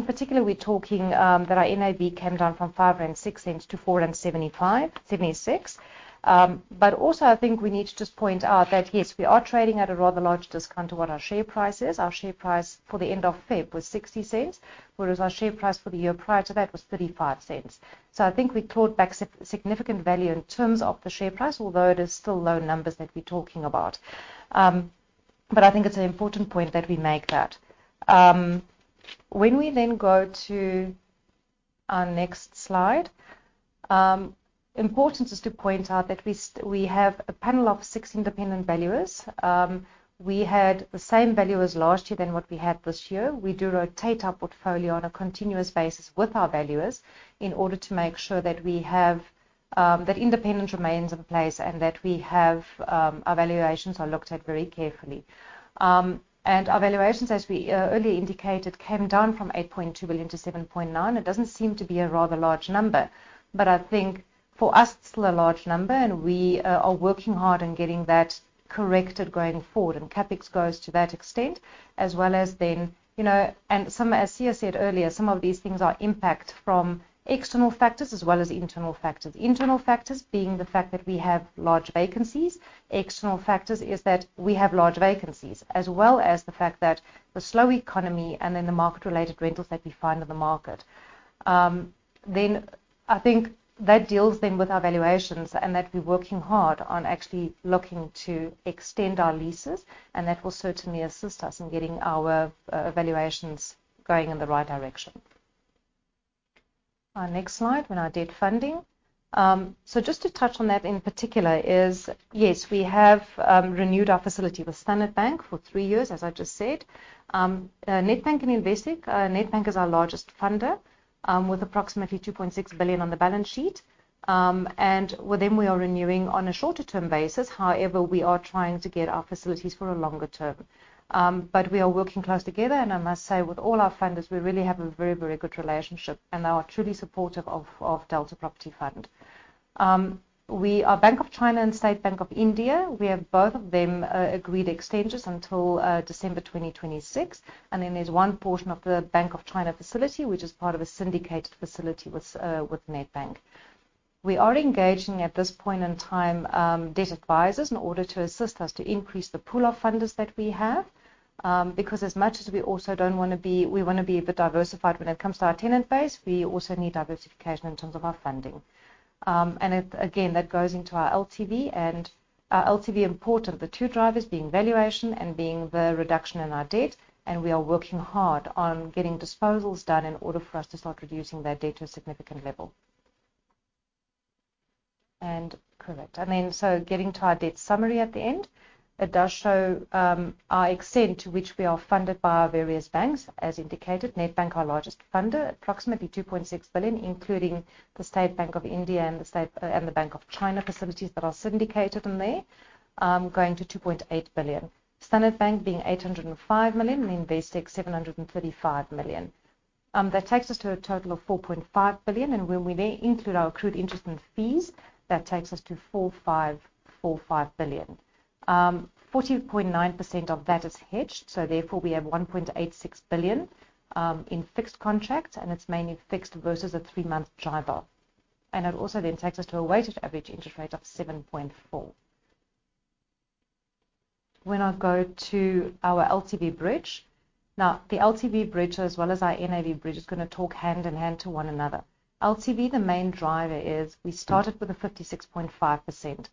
particular, we're talking that our NAV came down from 5.06-4.75-ZAR 4.76. But also I think we need to just point out that yes, we are trading at a rather large discount to NAV. Our share price for the end of February was 0.60, whereas our share price for the year prior to that was 0.35. I think we clawed back significant value in terms of the share price, although it is still low numbers that we're talking about. I think it's an important point that we make that. When we then go to our next slide, important is to point out that we have a panel of six independent valuers. We had the same valuers last year than what we had this year. We do rotate our portfolio on a continuous basis with our valuers in order to make sure that we have that independence remains in place and that we have our valuations are looked at very carefully. Our valuations, as we earlier indicated, came down from 8.2 billion-7.9 billion. It doesn't seem to be a rather large number, but I think for us, it's still a large number, and we are working hard on getting that corrected going forward. CapEx goes to that extent as well as then, you know, and some, as Siya said earlier, some of these things are impact from external factors as well as internal factors. Internal factors being the fact that we have large vacancies. External factors is that we have large vacancies, as well as the fact that the slow economy and then the market-related rentals that we find in the market. I think that deals then with our valuations and that we're working hard on actually looking to extend our leases, and that will certainly assist us in getting our valuations going in the right direction. Our next slide on our debt funding. Just to touch on that in particular is yes, we have renewed our facility with Standard Bank for three years, as I just said. Nedbank and Investec. Nedbank is our largest funder with approximately 2.6 billion on the balance sheet. With them, we are renewing on a shorter-term basis. However, we are trying to get our facilities for a longer term. We are working close together, and I must say with all our funders, we really have a very, very good relationship and are truly supportive of Delta Property Fund. Bank of China and State Bank of India, we have both of them agreed extensions until December 2026. There's one portion of the Bank of China facility, which is part of a syndicated facility with Nedbank. We are engaging at this point in time debt advisors in order to assist us to increase the pool of funders that we have, because we wanna be a bit diversified when it comes to our tenant base, we also need diversification in terms of our funding. That goes into our LTV and our LTV important, the two drivers being valuation and being the reduction in our debt, and we are working hard on getting disposals done in order for us to start reducing that debt to a significant level. Correct. I mean, so getting to our debt summary at the end, it does show our extent to which we are funded by our various banks, as indicated. Nedbank, our largest funder, approximately 2.6 billion, including the State Bank of India and the Bank of China facilities that are syndicated in there, going to 2.8 billion. Standard Bank being 805 million, Investec 735 million. That takes us to a total of 4.5 billion, and when we then include our accrued interest and fees, that takes us to 4.545 billion. 40.9% of that is hedged, so therefore we have 1.86 billion in fixed contracts, and it's mainly fixed versus a three-month driver. It also then takes us to a weighted average interest rate of 7.4%. When I go to our LTV bridge. Now, the LTV bridge, as well as our NAV bridge, is gonna talk hand in hand to one another. LTV, the main driver is we started with a 56.5%.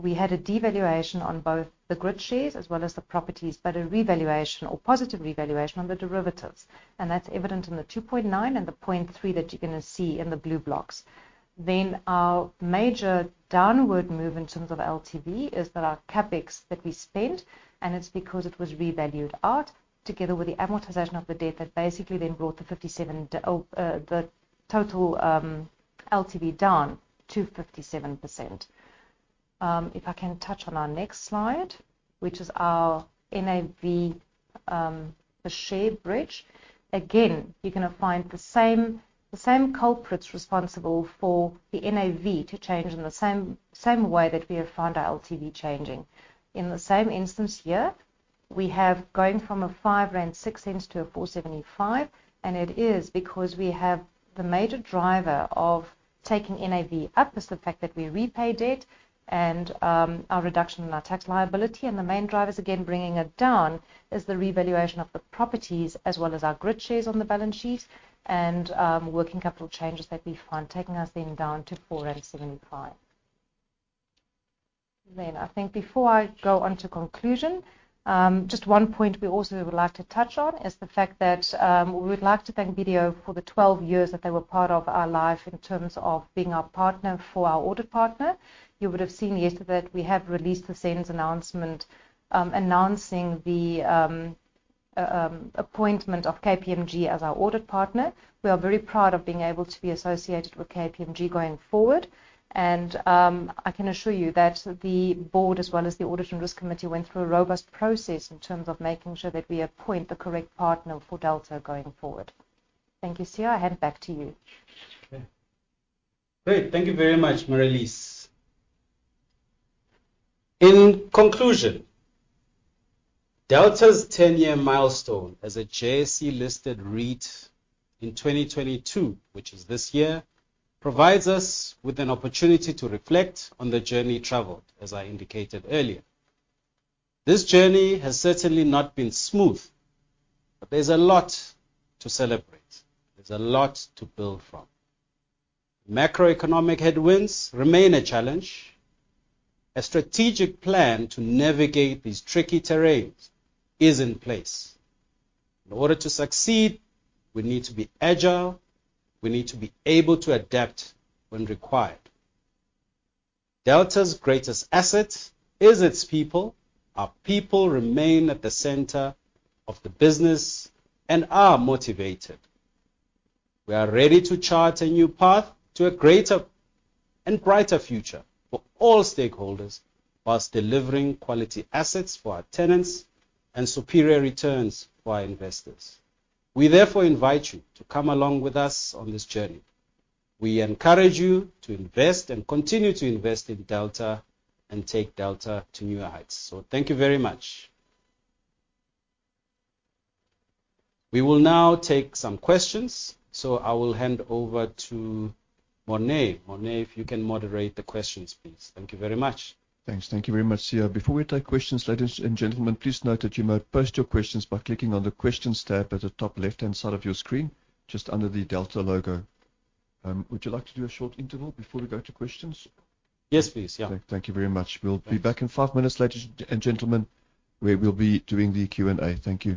We had a devaluation on both the Grit shares as well as the properties, but a revaluation or positive revaluation on the derivatives. That's evident in the 2.9% and the 0.3% that you're gonna see in the blue blocks. Our major downward move in terms of LTV is that our CapEx that we spent, and it's because it was revalued out together with the amortization of the debt that basically then brought the total LTV down to 57%. If I can touch on our next slide, which is our NAV, the share bridge. Again, you're gonna find the same culprits responsible for the NAV to change in the same way that we have found our LTV changing. In the same instance here, we have going from 5.06-4.75 rand, and it is because we have the major driver of taking NAV up is the fact that we repaid debt and our reduction in our tax liability. The main drivers, again, bringing it down is the revaluation of the properties as well as our Grit shares on the balance sheet and working capital changes that we find taking us then down to 4.75. I think before I go on to conclusion, just one point we also would like to touch on is the fact that we would like to thank BDO for the 12 years that they were part of our life in terms of being our partner for our audit partner. You would have seen yesterday that we have released the SENS announcement announcing the appointment of KPMG as our audit partner. We are very proud of being able to be associated with KPMG going forward and I can assure you that the board as well as the audit and risk committee went through a robust process in terms of making sure that we appoint the correct partner for Delta going forward. Thank you, Siya. I hand back to you. Okay. Great. Thank you very much, Marelise. In conclusion, Delta's 10-year milestone as a JSE-listed REIT in 2022, which is this year, provides us with an opportunity to reflect on the journey traveled, as I indicated earlier. This journey has certainly not been smooth, but there's a lot to celebrate. There's a lot to build from. Macroeconomic headwinds remain a challenge. A strategic plan to navigate these tricky terrains is in place. In order to succeed, we need to be agile. We need to be able to adapt when required. Delta's greatest asset is its people. Our people remain at the center of the business and are motivated. We are ready to chart a new path to a greater and brighter future for all stakeholders while delivering quality assets for our tenants and superior returns for our investors. We therefore invite you to come along with us on this journey. We encourage you to invest and continue to invest in Delta and take Delta to newer heights. Thank you very much. We will now take some questions, so I will hand over to Monet. Monet, if you can moderate the questions, please. Thank you very much. Thanks. Thank you very much, Siya. Before we take questions, ladies and gentlemen, please note that you may post your questions by clicking on the Questions tab at the top left-hand side of your screen, just under the Delta logo. Would you like to do a short interval before we go to questions? Yes, please. Yeah. Thank you very much. Thanks. We'll be back in five minutes, ladies and gentlemen. We will be doing the Q&A. Thank you.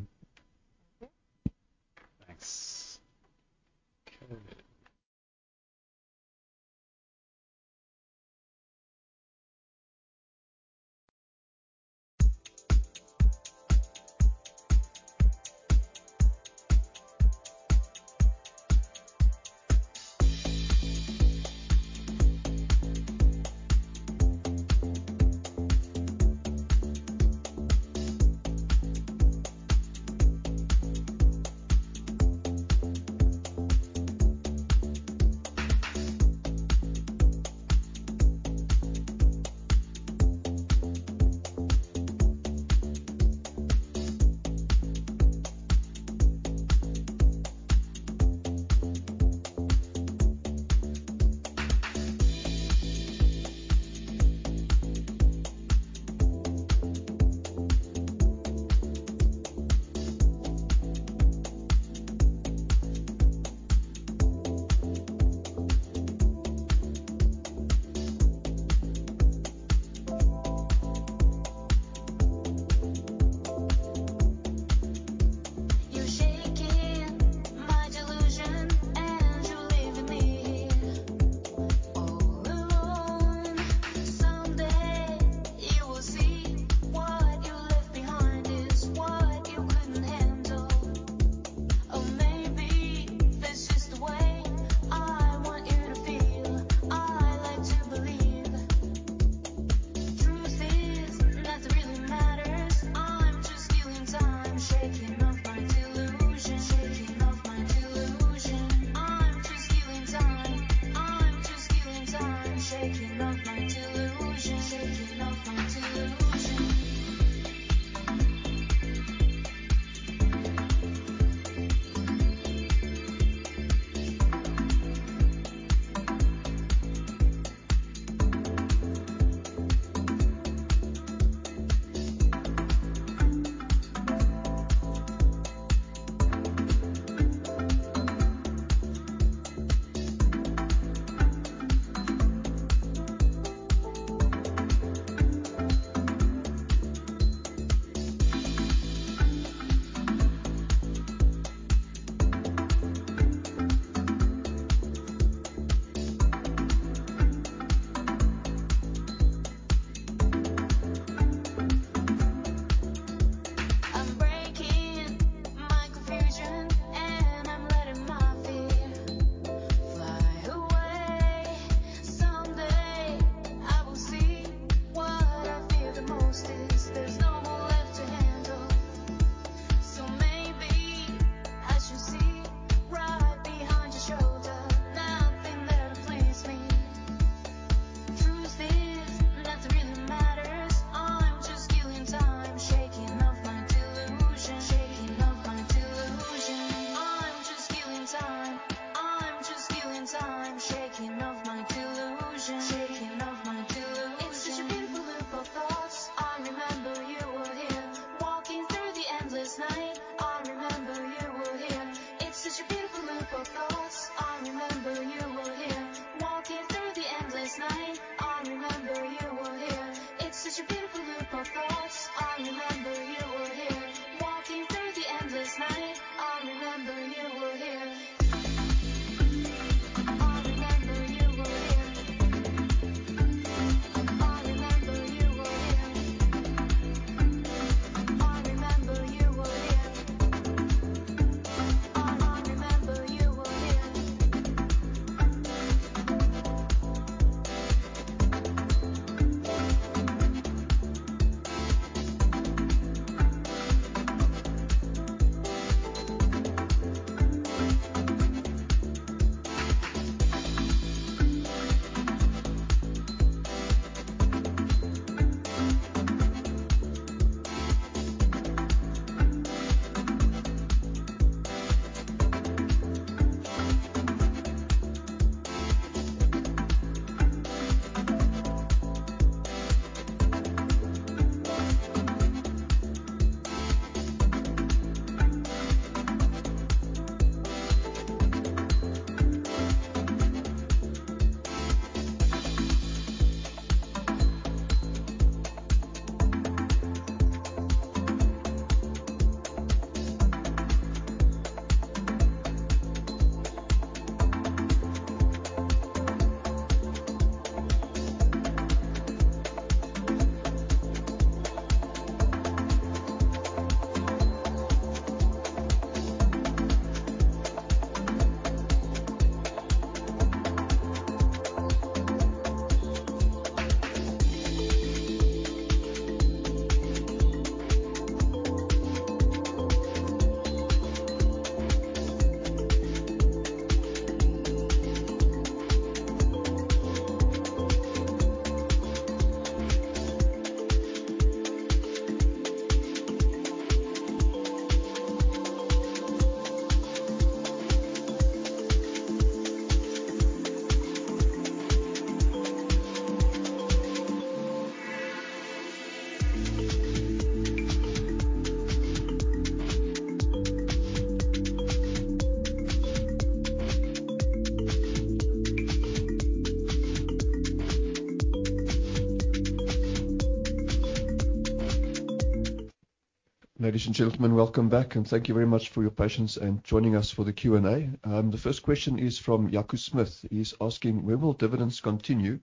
Thanks. Okay. Ladies and gentlemen, welcome back, and thank you very much for your patience and joining us for the Q&A. The first question is from Jaco Smith. He's asking: When will dividends continue?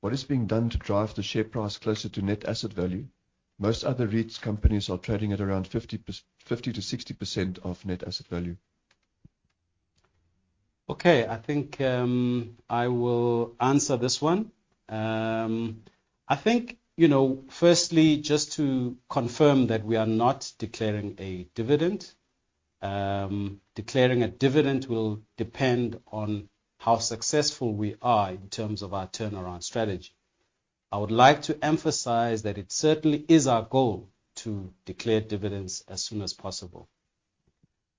What is being done to drive the share price closer to net asset value? Most other REITs companies are trading at around 50%-60% of net asset value. Okay, I think I will answer this one. I think, you know, firstly, just to confirm that we are not declaring a dividend. Declaring a dividend will depend on how successful we are in terms of our turnaround strategy. I would like to emphasize that it certainly is our goal to declare dividends as soon as possible.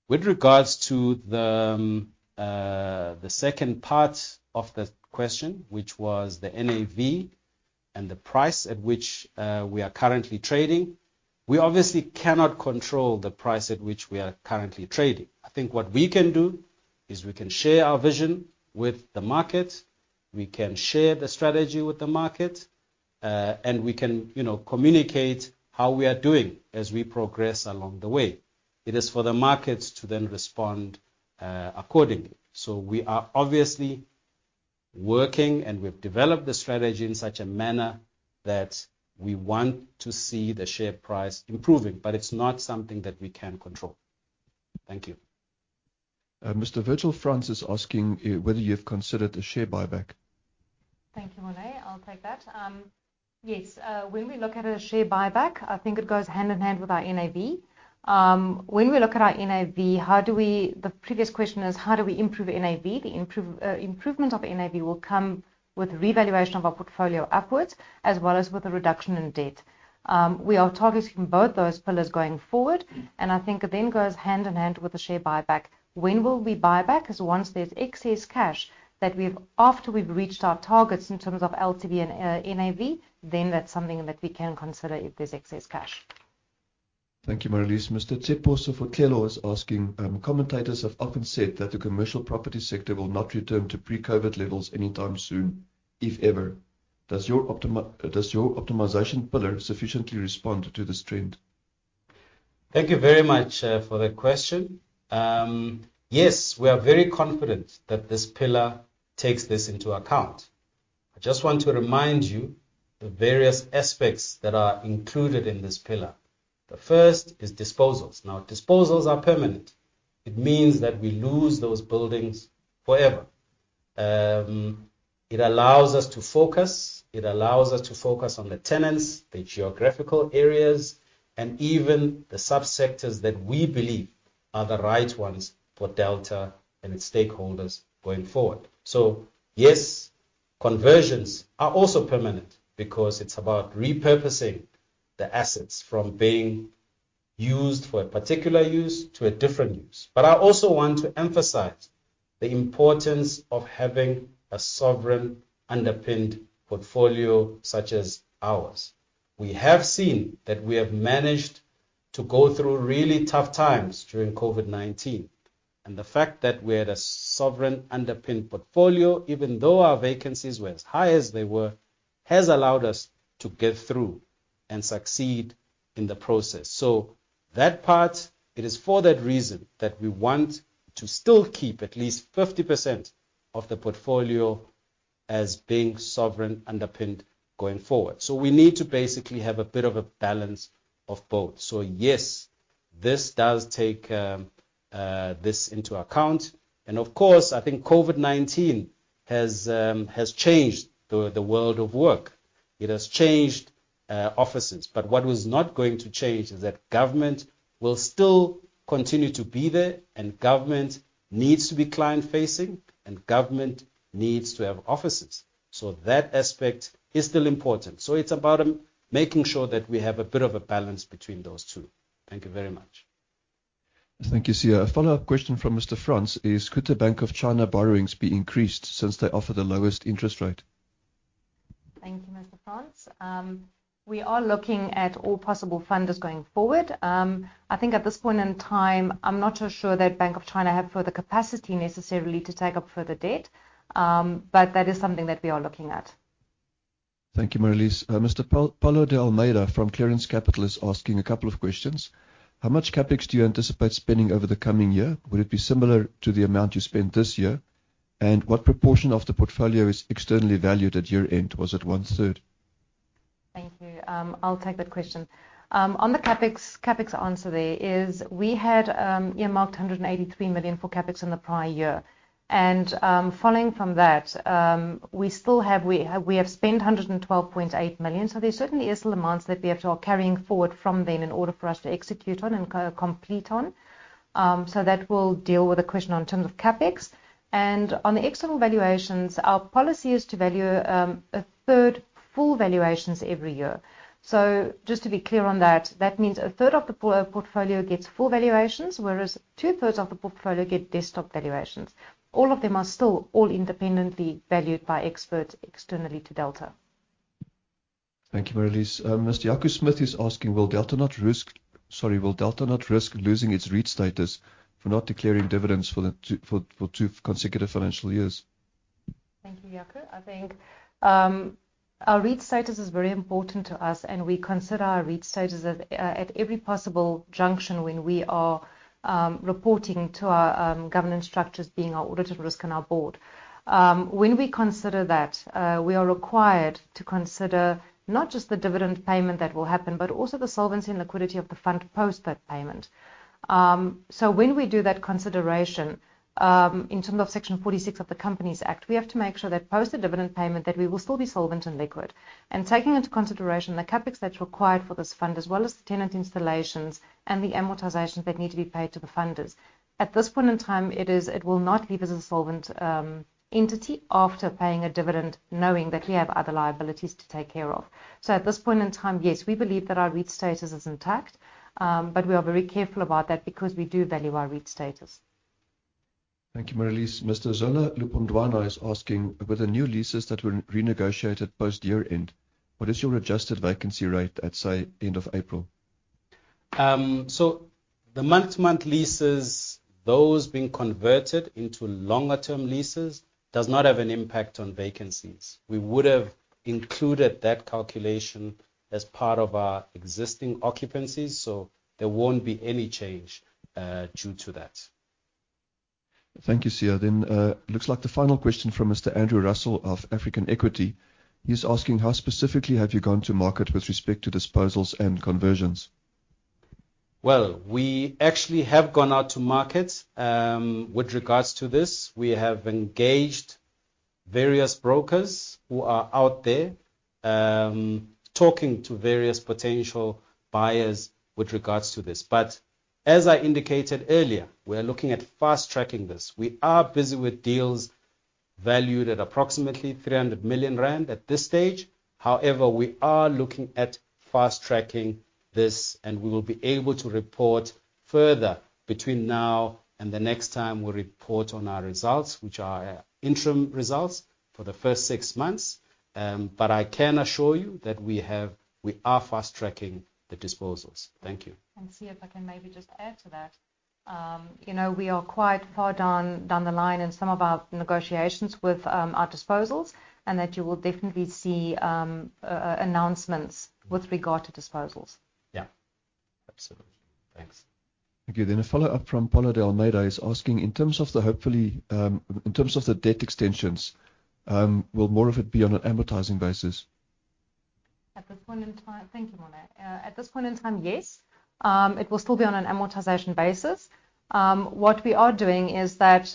With regards to the second part of the question, which was the NAV and the price at which we are currently trading, we obviously cannot control the price at which we are currently trading. I think what we can do is we can share our vision with the market, we can share the strategy with the market, and we can, you know, communicate how we are doing as we progress along the way. It is for the market to then respond accordingly. We are obviously working, and we've developed the strategy in such a manner that we want to see the share price improving. It's not something that we can control. Thank you. Mr. Virgil France is asking whether you've considered a share buyback. Thank you, Monet. I'll take that. Yes. When we look at a share buyback, I think it goes hand in hand with our NAV. When we look at our NAV, the previous question is how do we improve the NAV? The improvement of NAV will come with revaluation of our portfolio upwards, as well as with a reduction in debt. We are targeting both those pillars going forward, and I think it then goes hand in hand with the share buyback. When will we buy back? It's once there's excess cash after we've reached our targets in terms of LTV and NAV, then that's something that we can consider if there's excess cash. Thank you, Marelise. Mr. Tseposo Fetlelo is asking, commentators have often said that the commercial property sector will not return to pre-COVID levels anytime soon, if ever. Does your optimization pillar sufficiently respond to this trend? Thank you very much for the question. Yes, we are very confident that this pillar takes this into account. I just want to remind you the various aspects that are included in this pillar. The first is disposals. Now, disposals are permanent. It means that we lose those buildings forever. It allows us to focus on the tenants, the geographical areas, and even the sub-sectors that we believe are the right ones for Delta and its stakeholders going forward. Yes, conversions are also permanent because it's about repurposing the assets from being used for a particular use to a different use. I also want to emphasize the importance of having a sovereign underpinned portfolio such as ours. We have seen that we have managed to go through really tough times during COVID-19, and the fact that we had a sovereign underpinned portfolio, even though our vacancies were as high as they were, has allowed us to get through and succeed in the process. That part, it is for that reason that we want to still keep at least 50% of the portfolio as being sovereign underpinned going forward. We need to basically have a bit of a balance of both. Yes, this does take this into account and of course, I think COVID-19 has changed the world of work. It has changed offices. What was not going to change is that government will still continue to be there, and government needs to be client-facing, and government needs to have offices. That aspect is still important. It's about making sure that we have a bit of a balance between those two. Thank you very much. Thank you. Here's a follow-up question from Mr. France: Could the Bank of China borrowings be increased since they offer the lowest interest rate? Thank you, Mr. France. We are looking at all possible funders going forward. I think at this point in time, I'm not so sure that Bank of China have further capacity necessarily to take up further debt. That is something that we are looking at. Thank you, Marelise. Mr. Paul, Paulo de Almeida from Clearance Capital is asking a couple of questions. How much CapEx do you anticipate spending over the coming year? Would it be similar to the amount you spent this year? What proportion of the portfolio is externally valued at year-end? Was it one-third? Thank you. I'll take that question. On the CapEx answer there, we had earmarked 183 million for CapEx in the prior year. Following from that, we still have. We have spent 112.8 million. There certainly is still amounts that we are carrying forward from then in order for us to execute on and complete on. That will deal with the question in terms of CapEx. On the external valuations, our policy is to value a third full valuations every year. Just to be clear on that means a third of the portfolio gets full valuations, whereas two-thirds of the portfolio get desktop valuations. All of them are still all independently valued by experts externally to Delta. Thank you, Marelise. Mr. Jaco Smith is asking, Will Delta not risk losing its REIT status for not declaring dividends for two consecutive financial years? Thank you, Jaco. I think our REIT status is very important to us, and we consider our REIT status at every possible juncture when we are reporting to our governance structures, being our audit and risk and our board. When we consider that, we are required to consider not just the dividend payment that will happen, but also the solvency and liquidity of the fund post that payment. When we do that consideration, in terms of Section 46 of the Companies Act, we have to make sure that post the dividend payment, that we will still be solvent and liquid. Taking into consideration the CapEx that's required for this fund, as well as the tenant installations and the amortizations that need to be paid to the funders. At this point in time, it will not leave us insolvent entity after paying a dividend, knowing that we have other liabilities to take care of. At this point in time, yes, we believe that our REIT status is intact, but we are very careful about that because we do value our REIT status. Thank you, Marelise. Mr. Zola Lupondwana is asking: with the new leases that were renegotiated post year-end, what is your adjusted vacancy rate at, say, end of April? The month-to-month leases, those being converted into longer term leases, does not have an impact on vacancies. We would have included that calculation as part of our existing occupancies, so there won't be any change due to that. Thank you, Siya. Looks like the final question from Mr. Andrew Russell of African Equity. He's asking: how specifically have you gone to market with respect to disposals and conversions? Well, we actually have gone out to market with regards to this. We have engaged various brokers who are out there talking to various potential buyers with regards to this. As I indicated earlier, we are looking at fast-tracking this. We are busy with deals valued at approximately 300 million rand at this stage. However, we are looking at fast-tracking this, and we will be able to report further between now and the next time we report on our results, which are interim results for the first six months. I can assure you that we are fast-tracking the disposals. Thank you. Siya, if I can maybe just add to that. You know, we are quite far down the line in some of our negotiations with our disposals, and that you will definitely see announcements with regard to disposals. Yeah. Absolutely. Thanks. Thank you. A follow-up from Paulo de Almeida. He's asking: in terms of the debt extensions, will more of it be on an amortizing basis? At this point in time. Thank you, Monet. At this point in time, yes, it will still be on an amortization basis. What we are doing is that,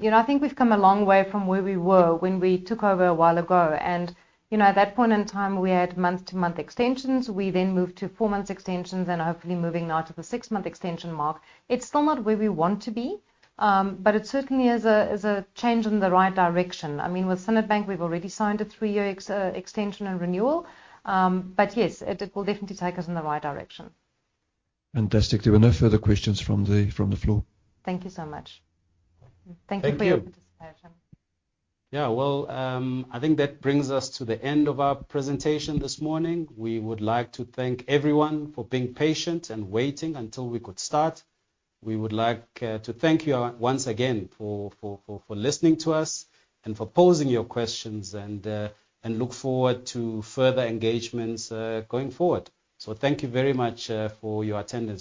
you know, I think we've come a long way from where we were when we took over a while ago. You know, at that point in time, we had month-to-month extensions. We then moved to four-month extensions, and hopefully moving now to the six-month extension mark. It's still not where we want to be, but it certainly is a change in the right direction. I mean, with Standard Bank, we've already signed a three-year extension and renewal. Yes, it will definitely take us in the right direction. Fantastic. There were no further questions from the floor. Thank you so much. Thank you. Thank you for your participation. Yeah. Well, I think that brings us to the end of our presentation this morning. We would like to thank everyone for being patient and waiting until we could start. We would like to thank you once again for listening to us and for posing your questions, and look forward to further engagements going forward. Thank you very much for your attendance.